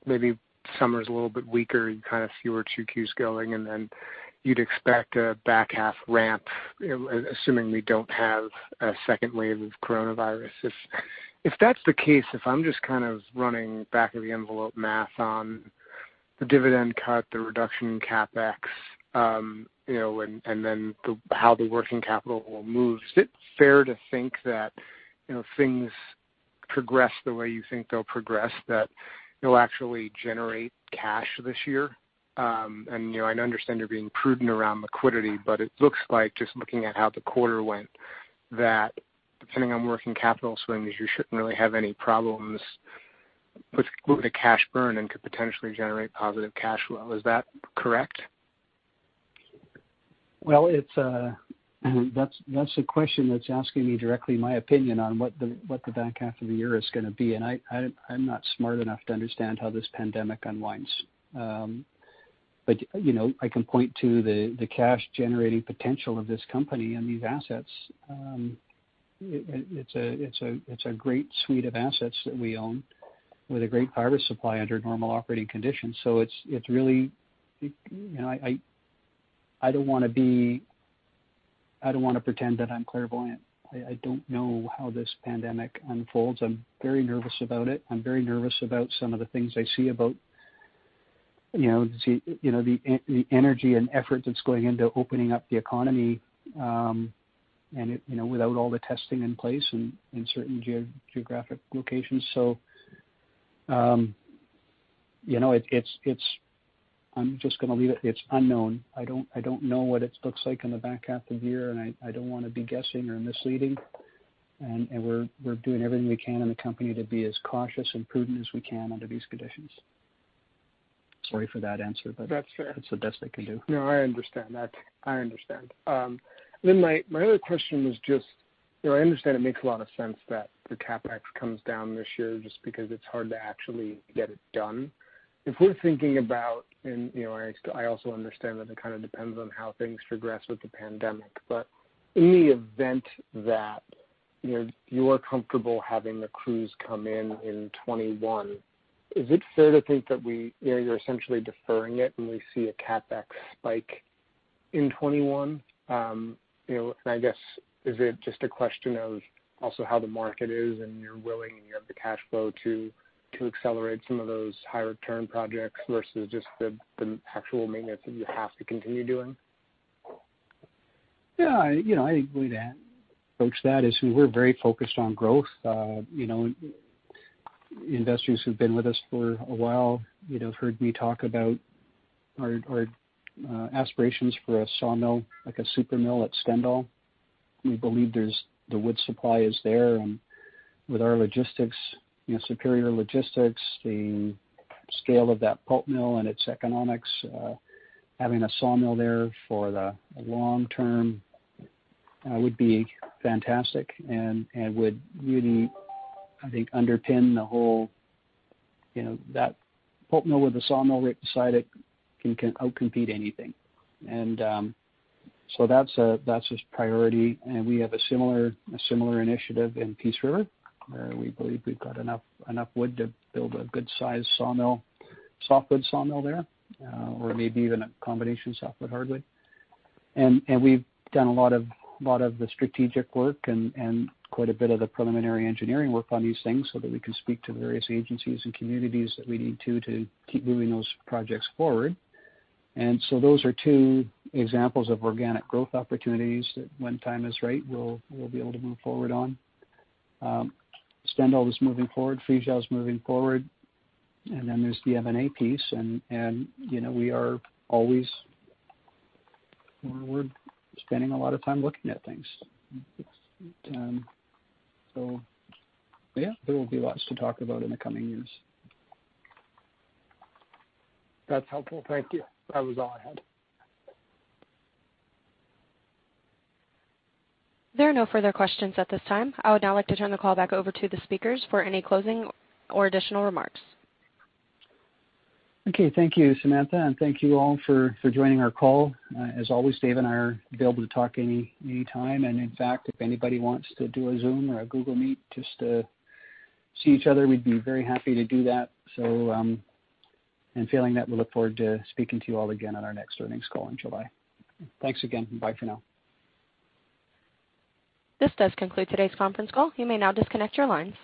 maybe summer's a little bit weaker. You kind of see where 2Q's going. And then you'd expect a back-half ramp, assuming we don't have a second wave of coronavirus. If that's the case, if I'm just kind of running back-of-the-envelope math on the dividend cut, the reduction in CapEx, and then how the working capital will move, is it fair to think that if things progress the way you think they'll progress, that it'll actually generate cash this year? I understand you're being prudent around liquidity, but it looks like, just looking at how the quarter went, that depending on working capital swings, you shouldn't really have any problems with a cash burn and could potentially generate positive cash flow. Is that correct? That's a question that's asking me directly my opinion on what the back half of the year is going to be. And I'm not smart enough to understand how this pandemic unwinds. But I can point to the cash-generating potential of this company and these assets. It's a great suite of assets that we own with a great fiber supply under normal operating conditions. So it's really - I don't want to be - I don't want to pretend that I'm clairvoyant. I don't know how this pandemic unfolds. I'm very nervous about it. I'm very nervous about some of the things I see about the energy and effort that's going into opening up the economy and without all the testing in place in certain geographic locations. So I'm just going to leave it. It's unknown. I don't know what it looks like in the back half of the year, and I don't want to be guessing or misleading. And we're doing everything we can in the company to be as cautious and prudent as we can under these conditions. Sorry for that answer, but that's the best I can do. No, I understand that. I understand. Then my other question was just, I understand it makes a lot of sense that the CapEx comes down this year just because it's hard to actually get it done. If we're thinking about, and I also understand that it kind of depends on how things progress with the pandemic. But in the event that you are comfortable having the crews come in in 2021, is it fair to think that you're essentially deferring it when we see a CapEx spike in 2021? And I guess, is it just a question of also how the market is and you're willing and you have the cash flow to accelerate some of those higher-turn projects versus just the actual maintenance that you have to continue doing? Yeah. I think the way to approach that is we're very focused on growth. Investors who've been with us for a while have heard me talk about our aspirations for a sawmill, like a super mill at Stendal. We believe the wood supply is there. And with our logistics, superior logistics, the scale of that pulp mill and its economics, having a sawmill there for the long term would be fantastic and would really, I think, underpin the whole, that pulp mill with the sawmill right beside it can outcompete anything. And so that's a priority. And we have a similar initiative in Peace River, where we believe we've got enough wood to build a good-sized softwood sawmill there, or maybe even a combination softwood, hardwood. We've done a lot of the strategic work and quite a bit of the preliminary engineering work on these things so that we can speak to the various agencies and communities that we need to keep moving those projects forward. So those are two examples of organic growth opportunities that when time is right, we'll be able to move forward on. Stendal is moving forward. Friesau is moving forward. Then there's the M&A piece. We are always forward, spending a lot of time looking at things. Yeah, there will be lots to talk about in the coming years. That's helpful. Thank you. That was all I had. There are no further questions at this time. I would now like to turn the call back over to the speakers for any closing or additional remarks. Okay. Thank you, Samantha. And thank you all for joining our call. As always, Dave and I are available to talk any time. And in fact, if anybody wants to do a Zoom or a Google Meet just to see each other, we'd be very happy to do that. And feeling that, we look forward to speaking to you all again on our next earnings call in July. Thanks again. Bye for now. This does conclude today's conference call. You may now disconnect your lines.